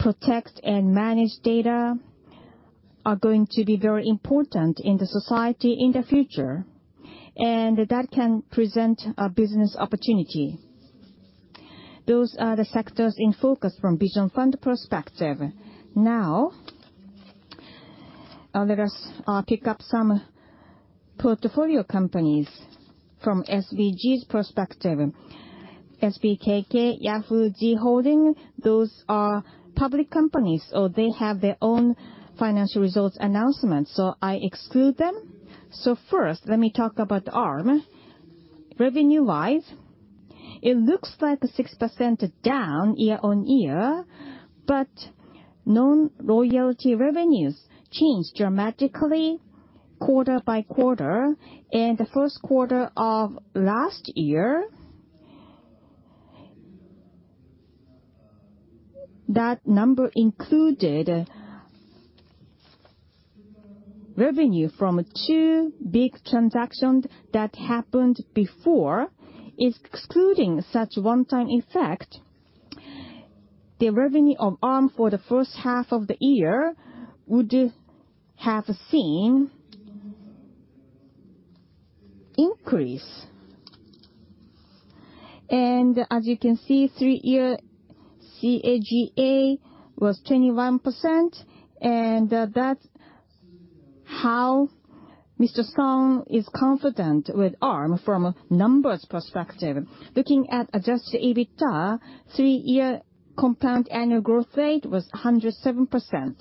protect and manage data are going to be very important in the society in the future, and that can present a business opportunity. Those are the sectors in focus from Vision Fund perspective. Now let us pick up some portfolio companies from SBG's perspective. SBKK, Yahoo!, Z Holdings, those are public companies, so they have their own financial results announcements, so I exclude them. First, let me talk about Arm. Revenue-wise, it looks like 6% down year-over-year, but known royalty revenues changed dramatically quarter by quarter. In the first quarter of last year, that number included revenue from two big transactions that happened before. Excluding such one-time effect, the revenue of Arm for the first half of the year would have seen increase. As you can see, three-year CAGR was 21%, and that's how Mr. Son is confident with Arm from a numbers perspective. Looking at adjusted EBITDA, three-year compound annual growth rate was 107%.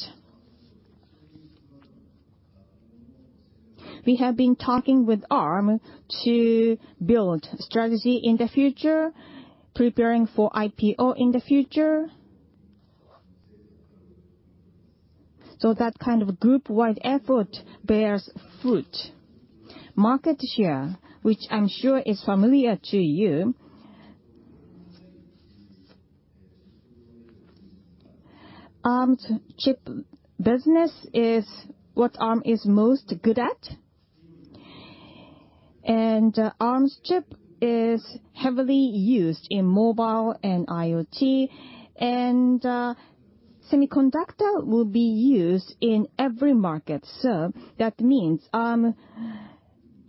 We have been talking with Arm to build strategy in the future, preparing for IPO in the future. That kind of group-wide effort bears fruit. Market share, which I'm sure is familiar to you. Arm's chip business is what Arm is most good at. Arm's chip is heavily used in mobile and IoT, and semiconductor will be used in every market, so that means Arm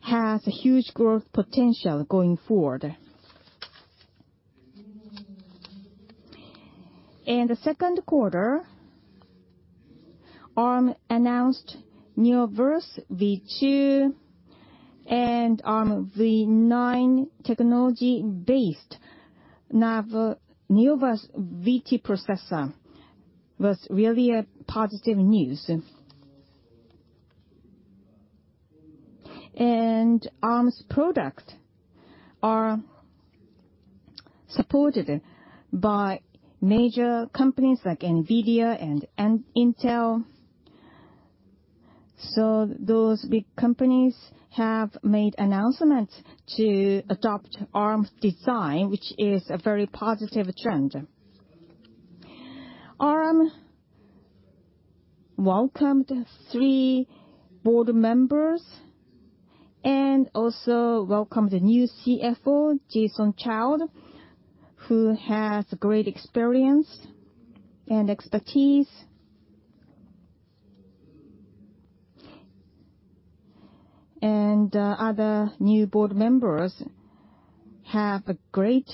has huge growth potential going forward. In the second quarter, Arm announced Neoverse V2 and Armv9 technology-based Neoverse V2 processor. It was really positive news. Arm's products are supported by major companies like NVIDIA and Intel. Those big companies have made announcements to adopt Arm's design, which is a very positive trend. Arm welcomed three board members and also welcomed a new CFO, Jason Child, who has great experience and expertise. Other new board members have a great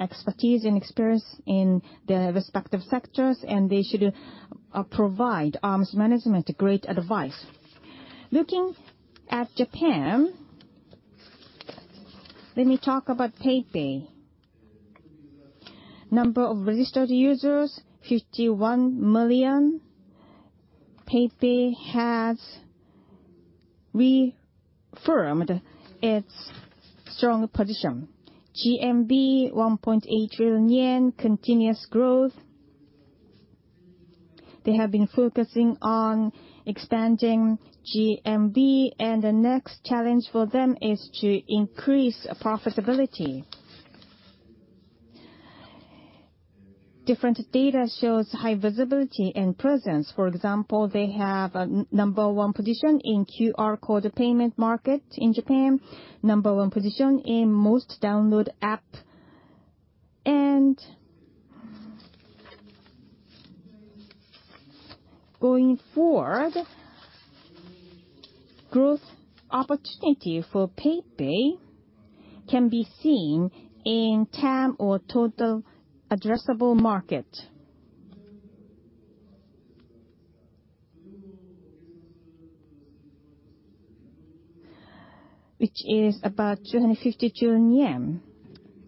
expertise and experience in their respective sectors, and they should provide Arm's management great advice. Looking at Japan, let me talk about PayPay. Number of registered users, 51 million. PayPay has reaffirmed its strong position. GMV, 1.8 trillion yen, continuous growth. They have been focusing on expanding GMV, and the next challenge for them is to increase profitability. Different data shows high visibility and presence. For example, they have a number one position in QR code payment market in Japan, number one position in most downloaded app. Going forward, growth opportunity for PayPay can be seen in TAM or total addressable market, which is about 250 trillion yen.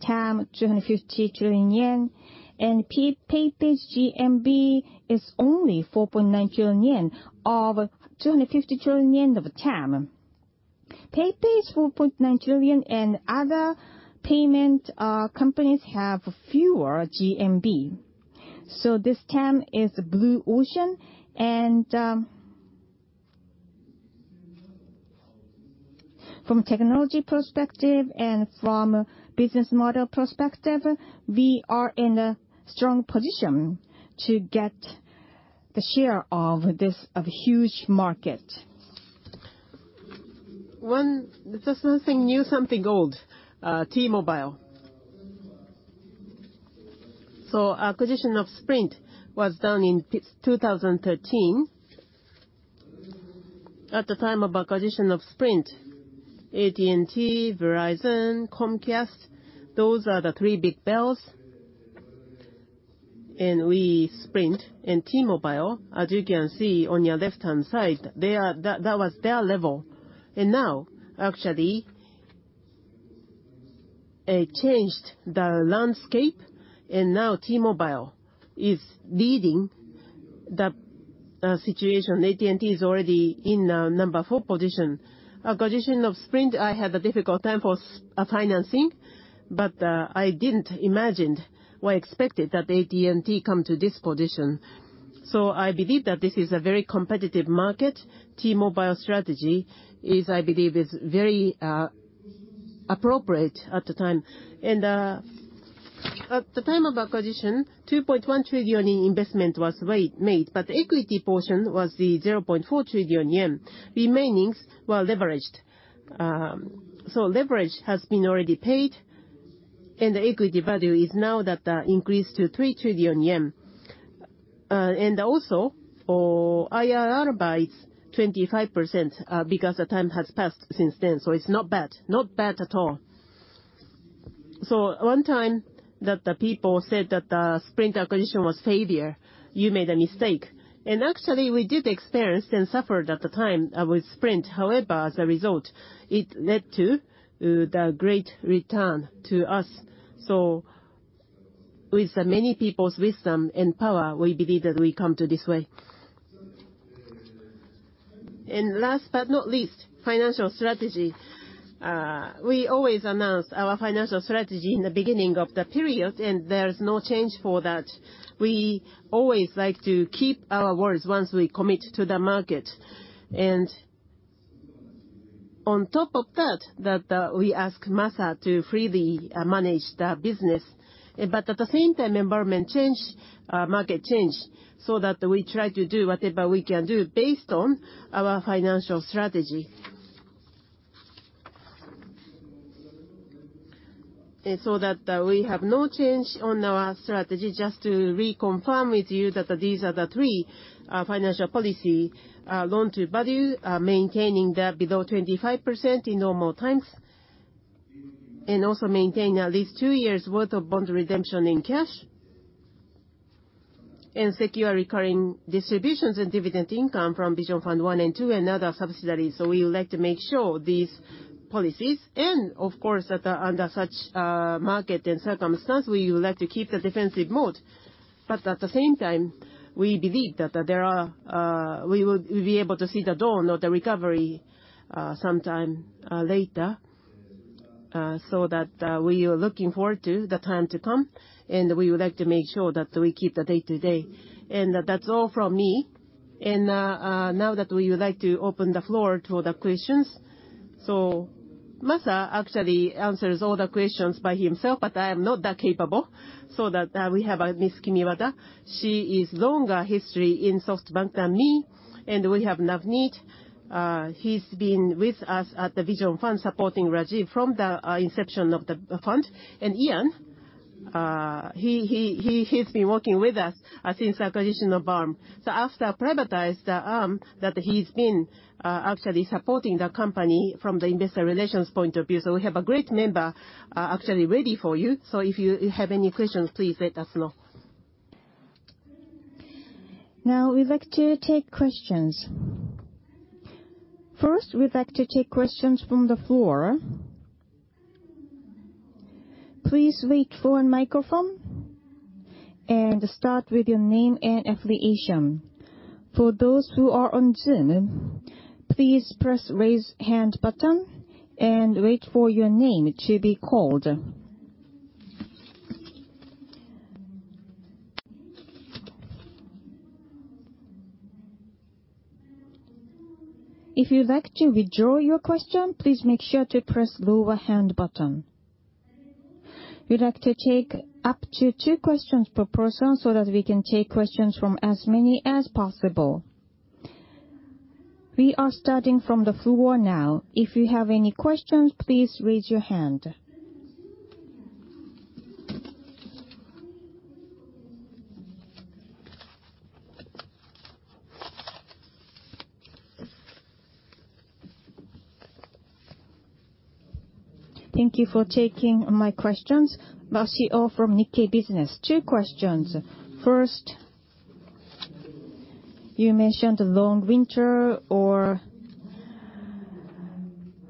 TAM, 250 trillion yen, and PayPay's GMV is only 4.9 trillion yen of 250 trillion yen of TAM. PayPay's 4.9 trillion and other payment companies have fewer GMV. So this TAM is a blue ocean. From technology perspective and from business model perspective, we are in a strong position to get the share of this, of huge market. One, just something new, something old, T-Mobile. Acquisition of Sprint was done in 2013. At the time of acquisition of Sprint, AT&T, Verizon, Comcast, those are the three big bells. We, Sprint and T-Mobile, as you can see on your left-hand side, that was their level. Now, actually, it changed the landscape, and now T-Mobile is leading the situation. AT&T is already in number four position. Acquisition of Sprint, I had a difficult time for financing, but I didn't imagined or expected that AT&T come to this position. I believe that this is a very competitive market. T-Mobile strategy is, I believe, very appropriate at the time. At the time of acquisition, 2.1 trillion in investment was made, but the equity portion was 0.4 trillion yen. Remaining were leveraged. Leverage has already been paid, and the equity value is now increased to 3 trillion yen. Also for IRR by 25%, because the time has passed since then, it's not bad, not bad at all. One time that the people said that the Sprint acquisition was failure, you made a mistake. Actually we did experience and suffered at the time with Sprint. However, as a result, it led to the great return to us. With many people's wisdom and power, we believe that we come to this way. Last but not least, financial strategy. We always announce our financial strategy in the beginning of the period, and there's no change for that. We always like to keep our words once we commit to the market. On top of that, we ask Masa to freely manage the business. At the same time, environment change, market change, so we try to do whatever we can do based on our financial strategy. We have no change on our strategy, just to reconfirm with you that these are the three financial policy, loan to value, maintaining that below 25% in normal times, and also maintain at least two years' worth of bond redemption in cash, and secure recurring distributions and dividend income from Vision Fund 1 and 2 and other subsidiaries. We would like to make sure these policies, and of course that, under such market and circumstance, we would like to keep the defensive mode. At the same time, we believe that there are, we will be able to see the dawn of the recovery, sometime later, so that we are looking forward to the time to come, and we would like to make sure that we keep the day-to-day. That's all from me. Now that we would like to open the floor to the questions. Masa actually answers all the questions by himself, but I am not that capable, so that we have Ms. Kimiwada. She has a longer history in SoftBank than me. We have Navneet. He's been with us at the Vision Fund supporting Rajeev from the inception of the fund. Ian, he's been working with us since acquisition of Arm. After privatized Arm, that he's been actually supporting the company from the investor relations point of view. We have a great member actually ready for you. If you have any questions, please let us know. Now we'd like to take questions. First, we'd like to take questions from the floor. Please wait for a microphone and start with your name and affiliation. For those who are on Zoom, please press Raise Hand button and wait for your name to be called. If you'd like to withdraw your question, please make sure to press Lower Hand button. We'd like to take up to two questions per person so that we can take questions from as many as possible. We are starting from the floor now. If you have any questions, please raise your hand. Thank you for taking my questions. Masayo from Nikkei Business. Two questions. First, you mentioned long winter or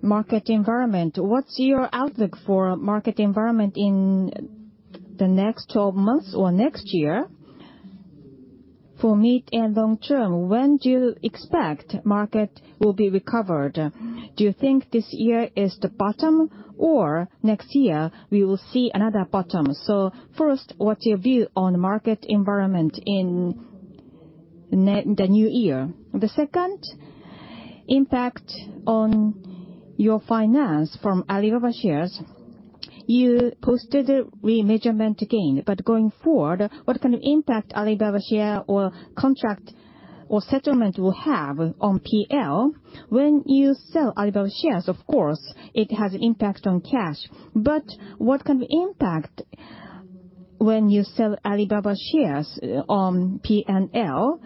market environment. What's your outlook for market environment in the next 12 months or next year? For mid and long term, when do you expect market will be recovered? Do you think this year is the bottom or next year we will see another bottom? First, what's your view on market environment in- The new year. The second impact on your finance from Alibaba shares, you posted a remeasurement gain. Going forward, what kind of impact Alibaba share or contract or settlement will have on P&L? When you sell Alibaba shares, of course, it has an impact on cash, but what kind of impact when you sell Alibaba shares on P&L?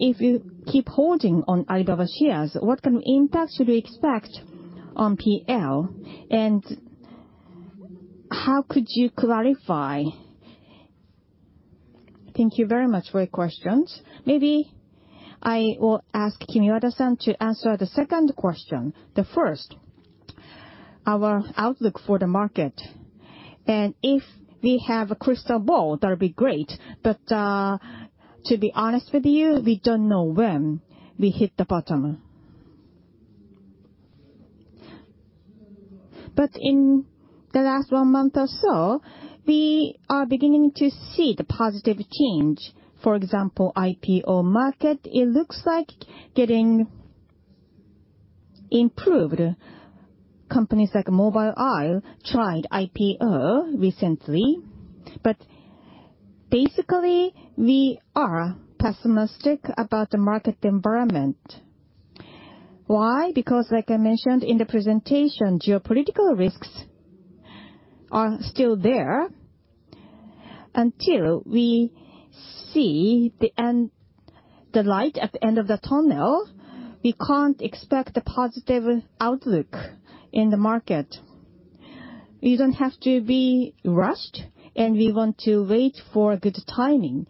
If you keep holding on Alibaba shares, what kind of impact should we expect on P&L, and how could you clarify? Thank you very much for your questions. Maybe I will ask Kimiwada-san to answer the second question. The first, our outlook for the market, and if we have a crystal ball, that'd be great. To be honest with you, we don't know when we hit the bottom. In the last one month or so, we are beginning to see the positive change. For example, IPO market, it looks like getting improved. Companies like Mobileye tried IPO recently. Basically, we are pessimistic about the market environment. Why? Because like I mentioned in the presentation, geopolitical risks are still there. Until we see the light at the end of the tunnel, we can't expect a positive outlook in the market. We don't have to be rushed, and we want to wait for good timing.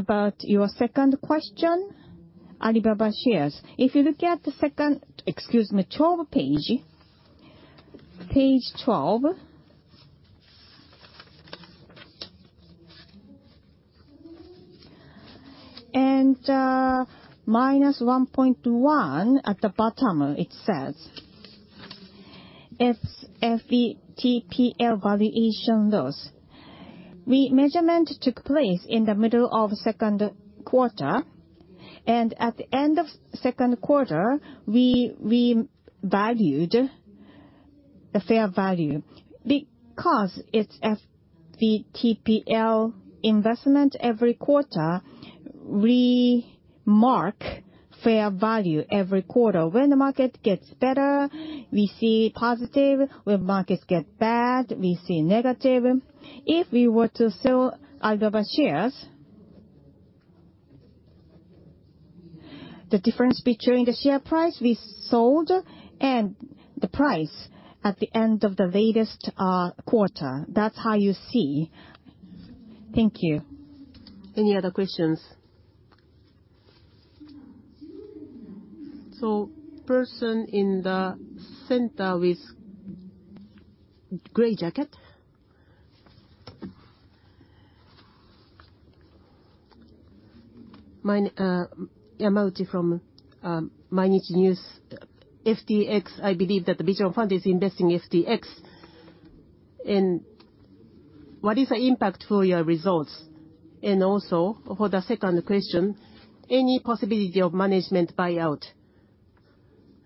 About your second question, Alibaba shares. If you look at page 12. -1.1 trillion at the bottom, it says. It's FVTPL valuation loss. The measurement took place in the middle of second quarter, and at the end of second quarter, we valued the fair value. Because it's FVTPL investment every quarter, we mark fair value every quarter. When the market gets better, we see positive. When markets get bad, we see negative. If we were to sell Alibaba shares, the difference between the share price we sold and the price at the end of the latest quarter, that's how you see. Thank you. Any other questions? Person in the center with gray jacket. Yamauchi from Mainichi News. FTX, I believe that the Vision Fund is investing in FTX. What is the impact for your results? Also, for the second question, any possibility of management buyout?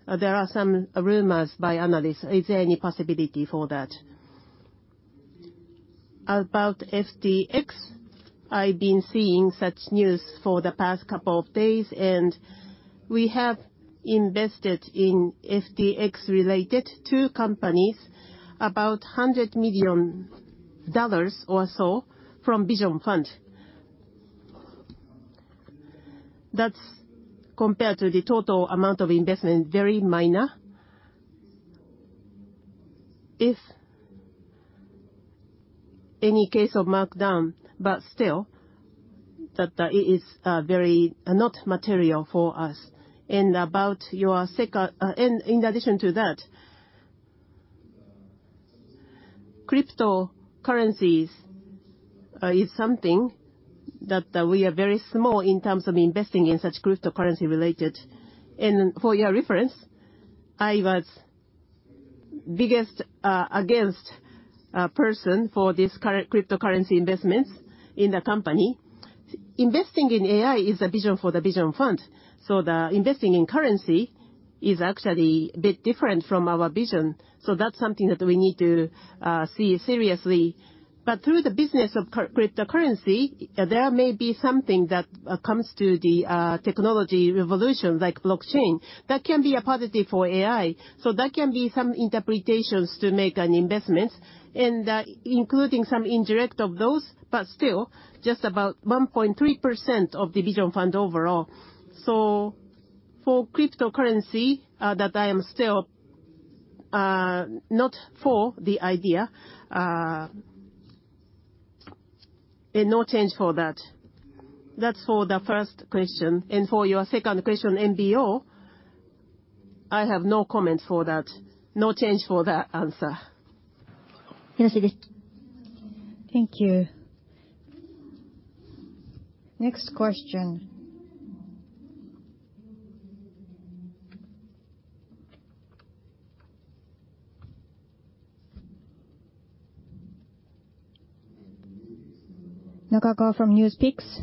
There are some rumors by analysts. Is there any possibility for that? About FTX, I've been seeing such news for the past couple of days, and we have invested in FTX-related two companies about $100 million or so from Vision Fund. That's compared to the total amount of investment, very minor. In any case of markdown, but still that is very not material for us. About your second, in addition to that, cryptocurrencies is something that we are very small in terms of investing in such cryptocurrency related. For your reference, I was biggest against person for this cryptocurrency investments in the company. Investing in AI is the vision for the Vision Fund, so the investing in currency is actually a bit different from our vision. That's something that we need to see seriously. But through the business of cryptocurrency, there may be something that comes to the technology revolution like blockchain. That can be a positive for AI, so that can be some interpretations to make an investment. Including some indirect of those, but still just about 1.3% of the Vision Fund overall. For cryptocurrency, that I am still not for the idea, and no change for that. That's for the first question. For your second question, MBO, I have no comment for that. No change for that answer. Thank you. Next question. Nakako from NewsPicks.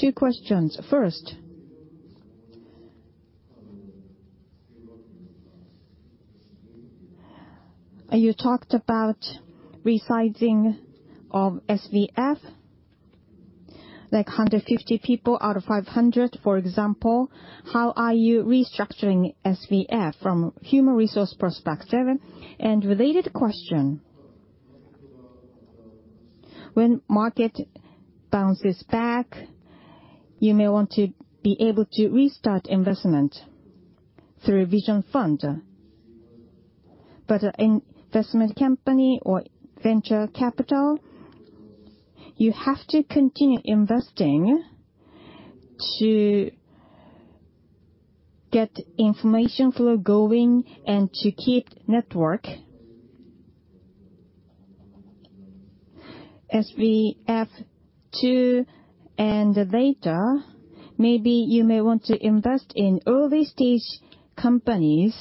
Two questions. First, you talked about resizing of SVF, like 150 people out of 500, for example. How are you restructuring SVF from human resource perspective? Related question, when market bounces back, you may want to be able to restart investment through Vision Fund. Investment company or venture capital, you have to continue investing to get information flow going and to keep network. SVF 2 and later, maybe you may want to invest in early-stage companies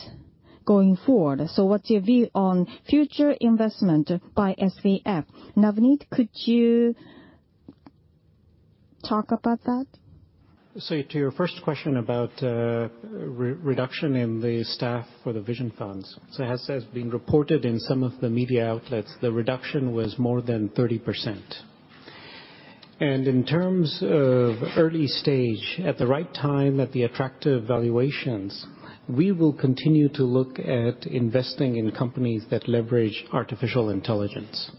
going forward. What's your view on future investment by SVF? Navneet, could you talk about that? To your first question about reduction in the staff for the Vision Funds. As has been reported in some of the media outlets, the reduction was more than 30%. In terms of early stage, at the right time, at the attractive valuations, we will continue to look at investing in companies that leverage artificial intelligence.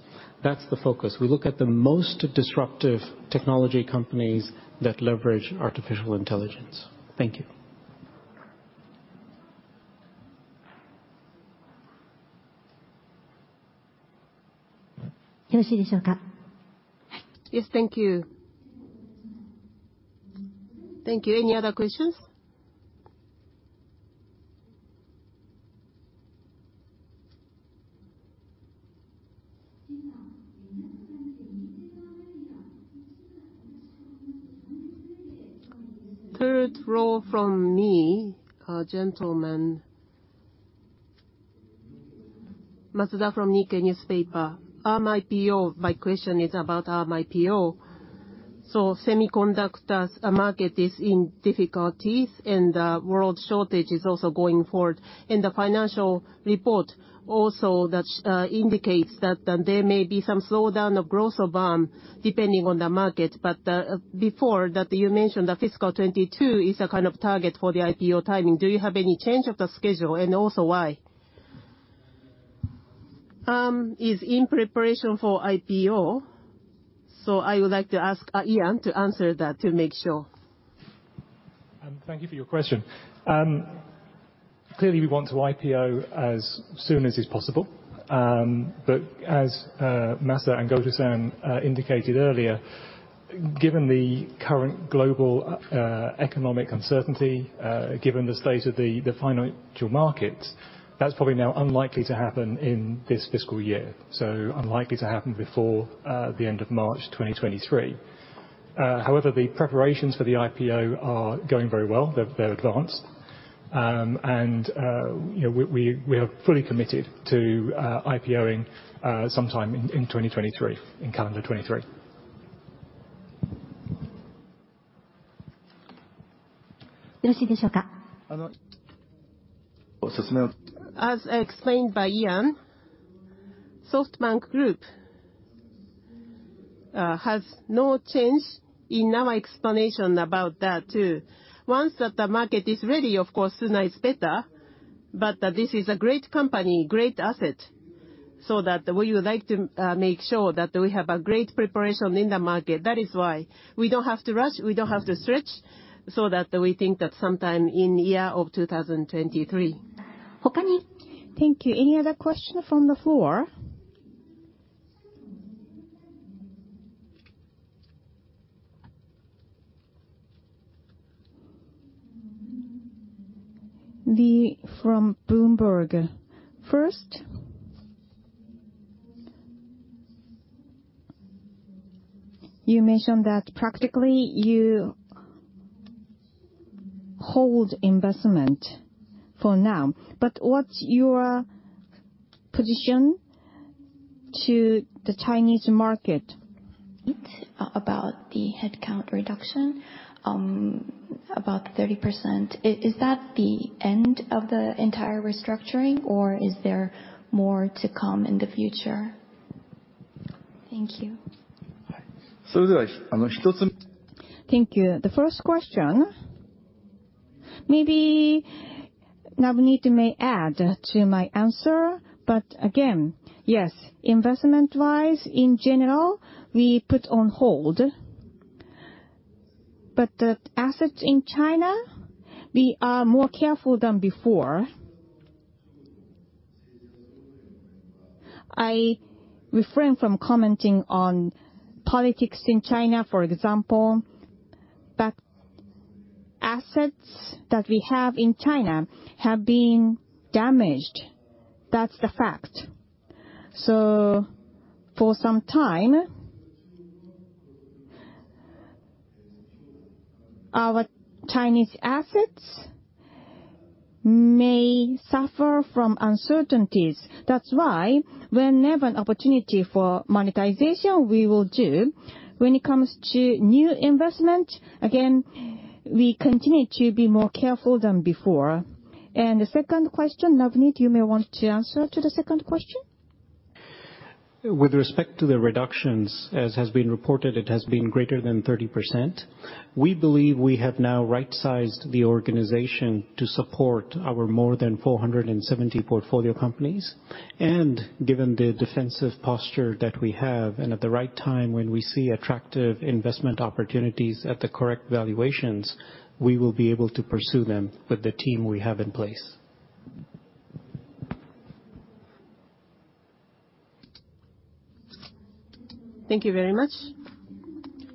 That's the focus. We look at the most disruptive technology companies that leverage artificial intelligence. Thank you. Yes. Thank you. Any other questions? Third row from me, gentleman. Matsuda from The Nikkei Newspaper. Arm IPO. My question is about Arm IPO. Semiconductors market is in difficulties, and world shortage is also going forward. In the financial report also that indicates that there may be some slowdown of growth of Arm depending on the market. Before that you mentioned that fiscal 2022 is a kind of target for the IPO timing. Do you have any change of the schedule, and also why? Arm is in preparation for IPO, so I would like to ask Ian to answer that to make sure. Thank you for your question. Clearly we want to IPO as soon as is possible. As Masa and Goto-san indicated earlier, given the current global economic uncertainty, given the state of the financial markets, that's probably now unlikely to happen in this fiscal year, so unlikely to happen before the end of March 2023. However, the preparations for the IPO are going very well. They're advanced. You know, we are fully committed to IPOing sometime in 2023, in calendar 2023. As explained by Ian, SoftBank Group has no change in our explanation about that too. Once that the market is ready, of course sooner is better, but this is a great company, great asset, so that we would like to make sure that we have a great preparation in the market. That is why we don't have to rush, we don't have to stretch, so that we think that sometime in year of 2023. Thank you. Any other question from the floor? Li from Bloomberg. First, you mentioned that practically you hold investment for now, but what's your position to the Chinese market? About the headcount reduction, about 30%, is that the end of the entire restructuring or is there more to come in the future? Thank you. Thank you. The first question, maybe Navneet may add to my answer, but again, yes, investment-wise in general, we put on hold. The assets in China, we are more careful than before. I refrain from commenting on politics in China, for example, but assets that we have in China have been damaged. That's the fact. For some time, our Chinese assets may suffer from uncertainties. That's why whenever an opportunity for monetization we will do. When it comes to new investment, again, we continue to be more careful than before. The second question, Navneet, you may want to answer to the second question. With respect to the reductions, as has been reported, it has been greater than 30%. We believe we have now right-sized the organization to support our more than 470 portfolio companies. Given the defensive posture that we have, and at the right time when we see attractive investment opportunities at the correct valuations, we will be able to pursue them with the team we have in place. Thank you very much.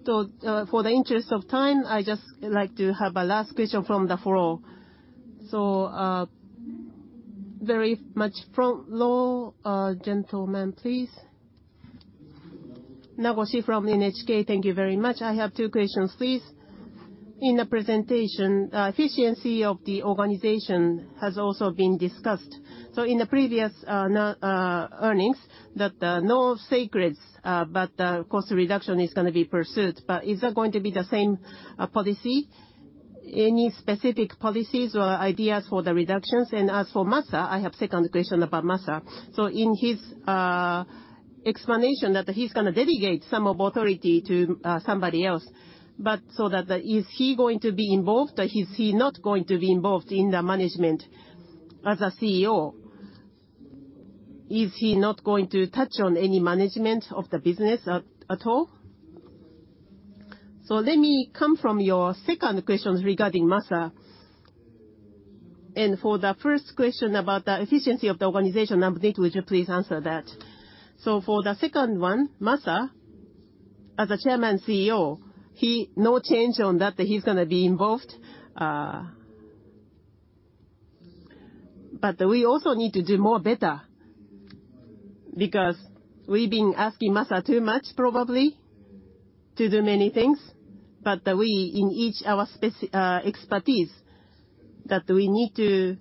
For the interest of time, I just like to have a last question from the floor. Very much front row, gentleman please. Nagoshi from NHK, thank you very much. I have two questions please. In the presentation, efficiency of the organization has also been discussed. In the previous earnings that no sacred cows, but cost reduction is gonna be pursued. Is that going to be the same policy? Any specific policies or ideas for the reductions? And as for Masa, I have second question about Masa. In his explanation that he's gonna delegate some of authority to somebody else, but is he going to be involved or is he not going to be involved in the management as a CEO? Is he not going to touch on any management of the business at all? Let me come to your second question regarding Masa. For the first question about the efficiency of the organization, Navneet, would you please answer that? For the second one, Masa, as a chairman CEO, there's no change on that he's gonna be involved. We also need to do more better because we've been asking Masa too much probably to do many things. We, in our respective expertise that we need to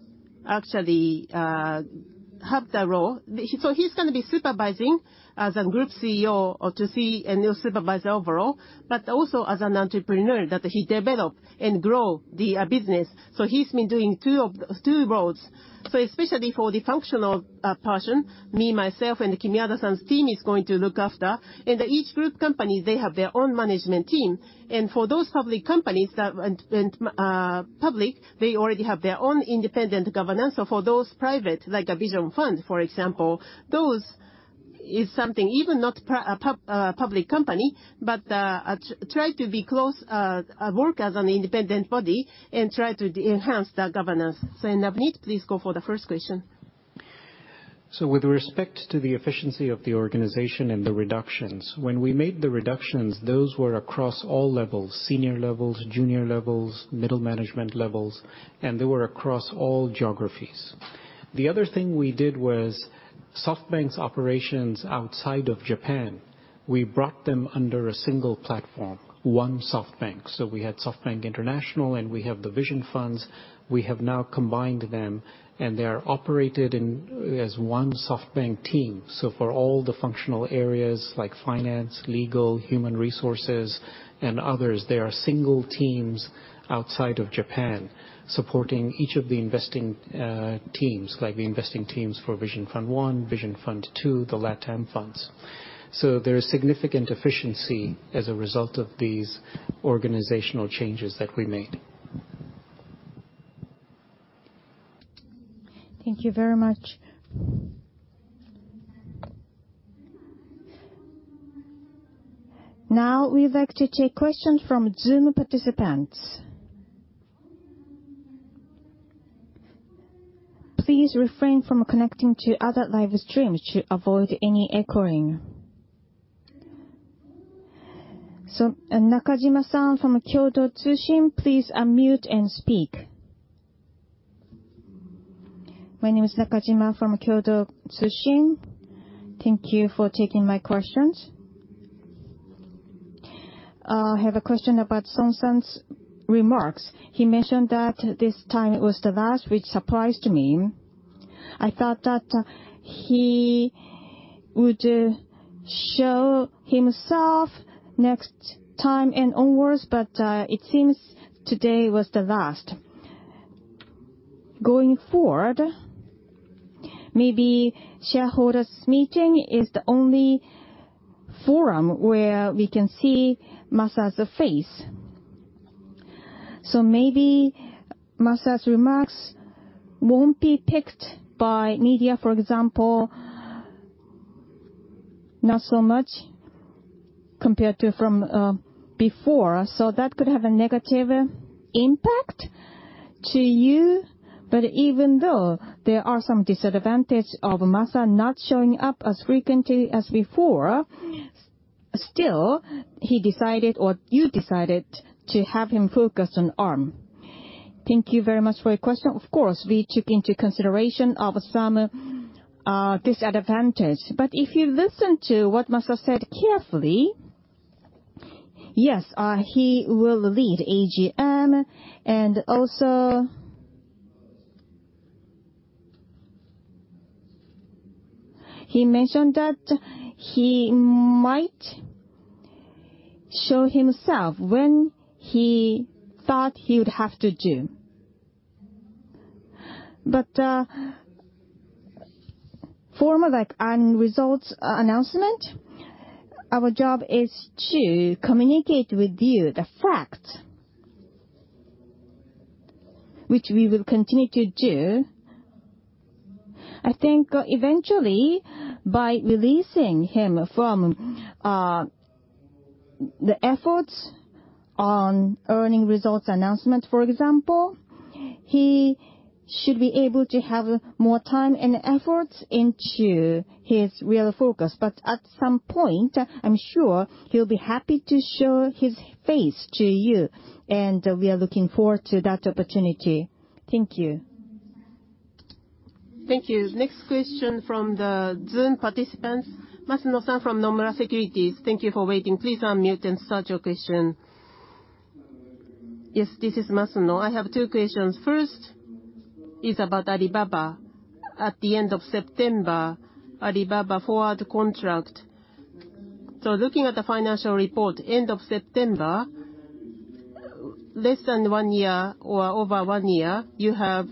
actually have the role. He's gonna be supervising as a group CEO or CEO, and he'll supervise overall, but also as an entrepreneur that he develop and grow the business. He's been doing two roles. Especially for the functional portion, me, myself and Kimiwada-san's team is going to look after. Each group company, they have their own management team. For those public companies, they already have their own independent governance. For those private, like a Vision Fund for example, those is something even not public company, but try to be close work as an independent body and try to enhance the governance. Navneet, please go for the first question. With respect to the efficiency of the organization and the reductions, when we made the reductions, those were across all levels, senior levels, junior levels, middle management levels, and they were across all geographies. The other thing we did was SoftBank's operations outside of Japan, we brought them under a single platform, one SoftBank. We had SoftBank International, and we have the Vision Funds. We have now combined them, and they are operated in, as one SoftBank team. For all the functional areas like finance, legal, human resources and others, there are single teams outside of Japan supporting each of the investing, teams, like the investing teams for Vision Fund 1, Vision Fund 2, the Latam funds. There is significant efficiency as a result of these organizational changes that we made. Thank you very much. Now, we'd like to take questions from Zoom participants. Please refrain from connecting to other live streams to avoid any echoing. Nakajima-san from Kyodo Tsushin, please unmute and speak. My name is Nakajima from Kyodo Tsushin. Thank you for taking my questions. I have a question about Son-san's remarks. He mentioned that this time it was the last, which surprised me. I thought that he would show himself next time and onward, but it seems today was the last. Going forward, maybe shareholders' meeting is the only forum where we can see Masa's face. Maybe Masa's remarks won't be picked by media, for example, not so much compared to from before. That could have a negative impact to you. Even though there are some disadvantage of Masa not showing up as frequently as before, still he decided or you decided to have him focus on Arm. Thank you very much for your question. Of course, we took into consideration of some disadvantage. If you listen to what Masayoshi said carefully, yes, he will lead AGM, and also. He mentioned that he might show himself when he thought he would have to do. For like earnings results announcement, our job is to communicate with you the fact, which we will continue to do. I think eventually by releasing him from the efforts on earnings results announcement, for example, he should be able to have more time and efforts into his real focus. At some point, I'm sure he'll be happy to show his face to you, and we are looking forward to that opportunity. Thank you. Thank you. Next question from the Zoom participants. Masuno-san from Nomura Securities. Thank you for waiting. Please unmute and start your question. Yes, this is Masuno. I have two questions. First is about Alibaba. At the end of September, Alibaba forward contract. So looking at the financial report, end of September, less than one year or over one year, you have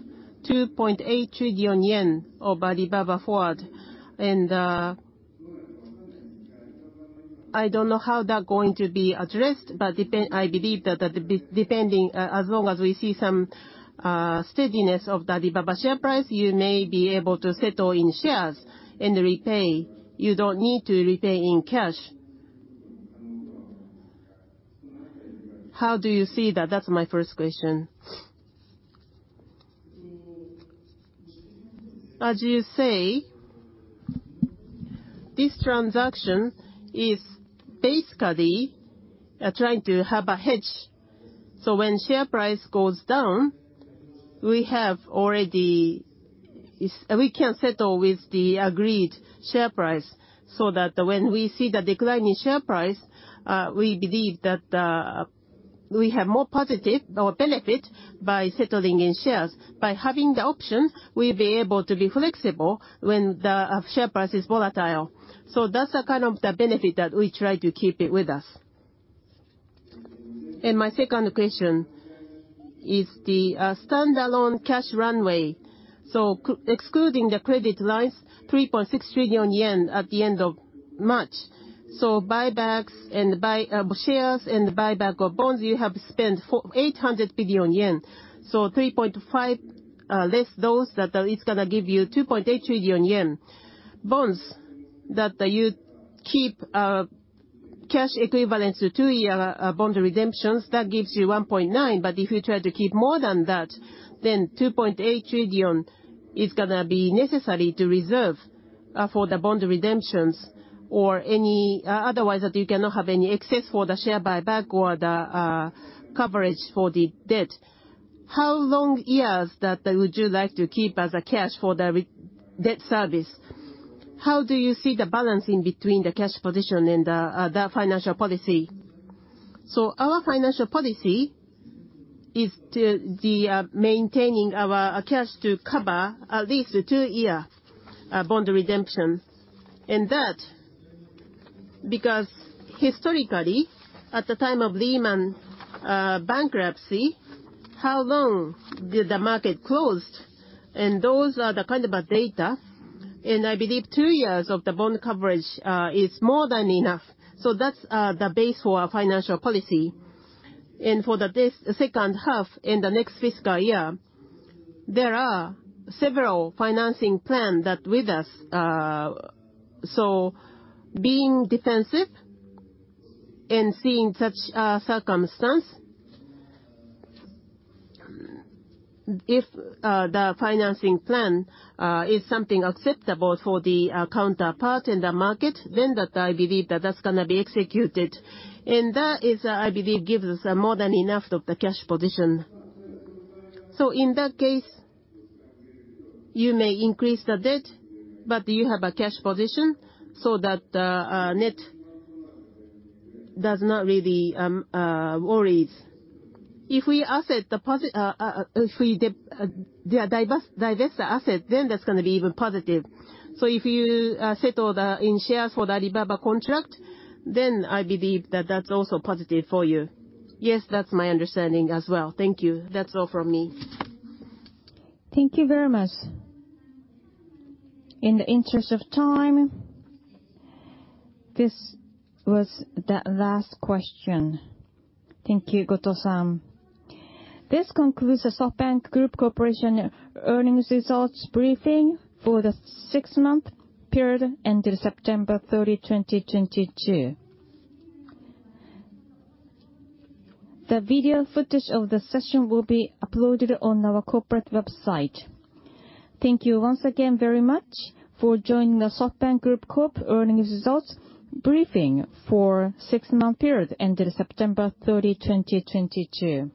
2.8 trillion yen of Alibaba forward. And, I don't know how that's going to be addressed, but I believe that depending, as long as we see some steadiness of the Alibaba share price, you may be able to settle in shares and repay. You don't need to repay in cash. How do you see that? That's my first question. As you say, this transaction is basically trying to have a hedge. When share price goes down, we can settle with the agreed share price, so that when we see the decline in share price, we believe that we have more positive or benefit by settling in shares. By having the option, we'll be able to be flexible when the share price is volatile. That's the kind of the benefit that we try to keep it with us. My second question is the standalone cash runway. Excluding the credit lines, 3.6 trillion yen at the end of March. Buybacks and buy shares and buyback of bonds, you have spent 800 billion yen. 3.6 trillion less those that are, it's gonna give you 2.8 trillion yen. Bonds that you keep cash equivalent to two-year bond redemptions, that gives you 1.9 trillion. But if you try to keep more than that, then 2.8 trillion is gonna be necessary to reserve for the bond redemptions or any otherwise that you cannot have any excess for the share buyback or the coverage for the debt. How long years that would you like to keep as a cash for the debt service? How do you see the balance in between the cash position and the financial policy? Our financial policy is to maintaining our cash to cover at least a two-year bond redemption. That because historically, at the time of Lehman bankruptcy, how long did the market closed? Those are the kind of data, and I believe two years of the bond coverage is more than enough. That's the base for our financial policy. For the second half in the next fiscal year, there are several financing plans that we have. Being defensive and seeing such circumstance, if the financing plan is something acceptable for the counterparties in the market, then I believe that's gonna be executed. That is, I believe, gives us more than enough of the cash position. In that case, you may increase the debt, but you have a cash position so that net does not really worry. If we divest the asset, then that's gonna be even positive. If you settle in shares for the Alibaba contract, then I believe that that's also positive for you. Yes. That's my understanding as well. Thank you. That's all from me. Thank you very much. In the interest of time, this was the last question. Thank you, Goto-san. This concludes the SoftBank Group Corp. earnings results briefing for the six-month period ended September 30, 2022. The video footage of the session will be uploaded on our corporate website. Thank you once again very much for joining the SoftBank Group Corp. earnings results briefing for six-month period ended September 30, 2022.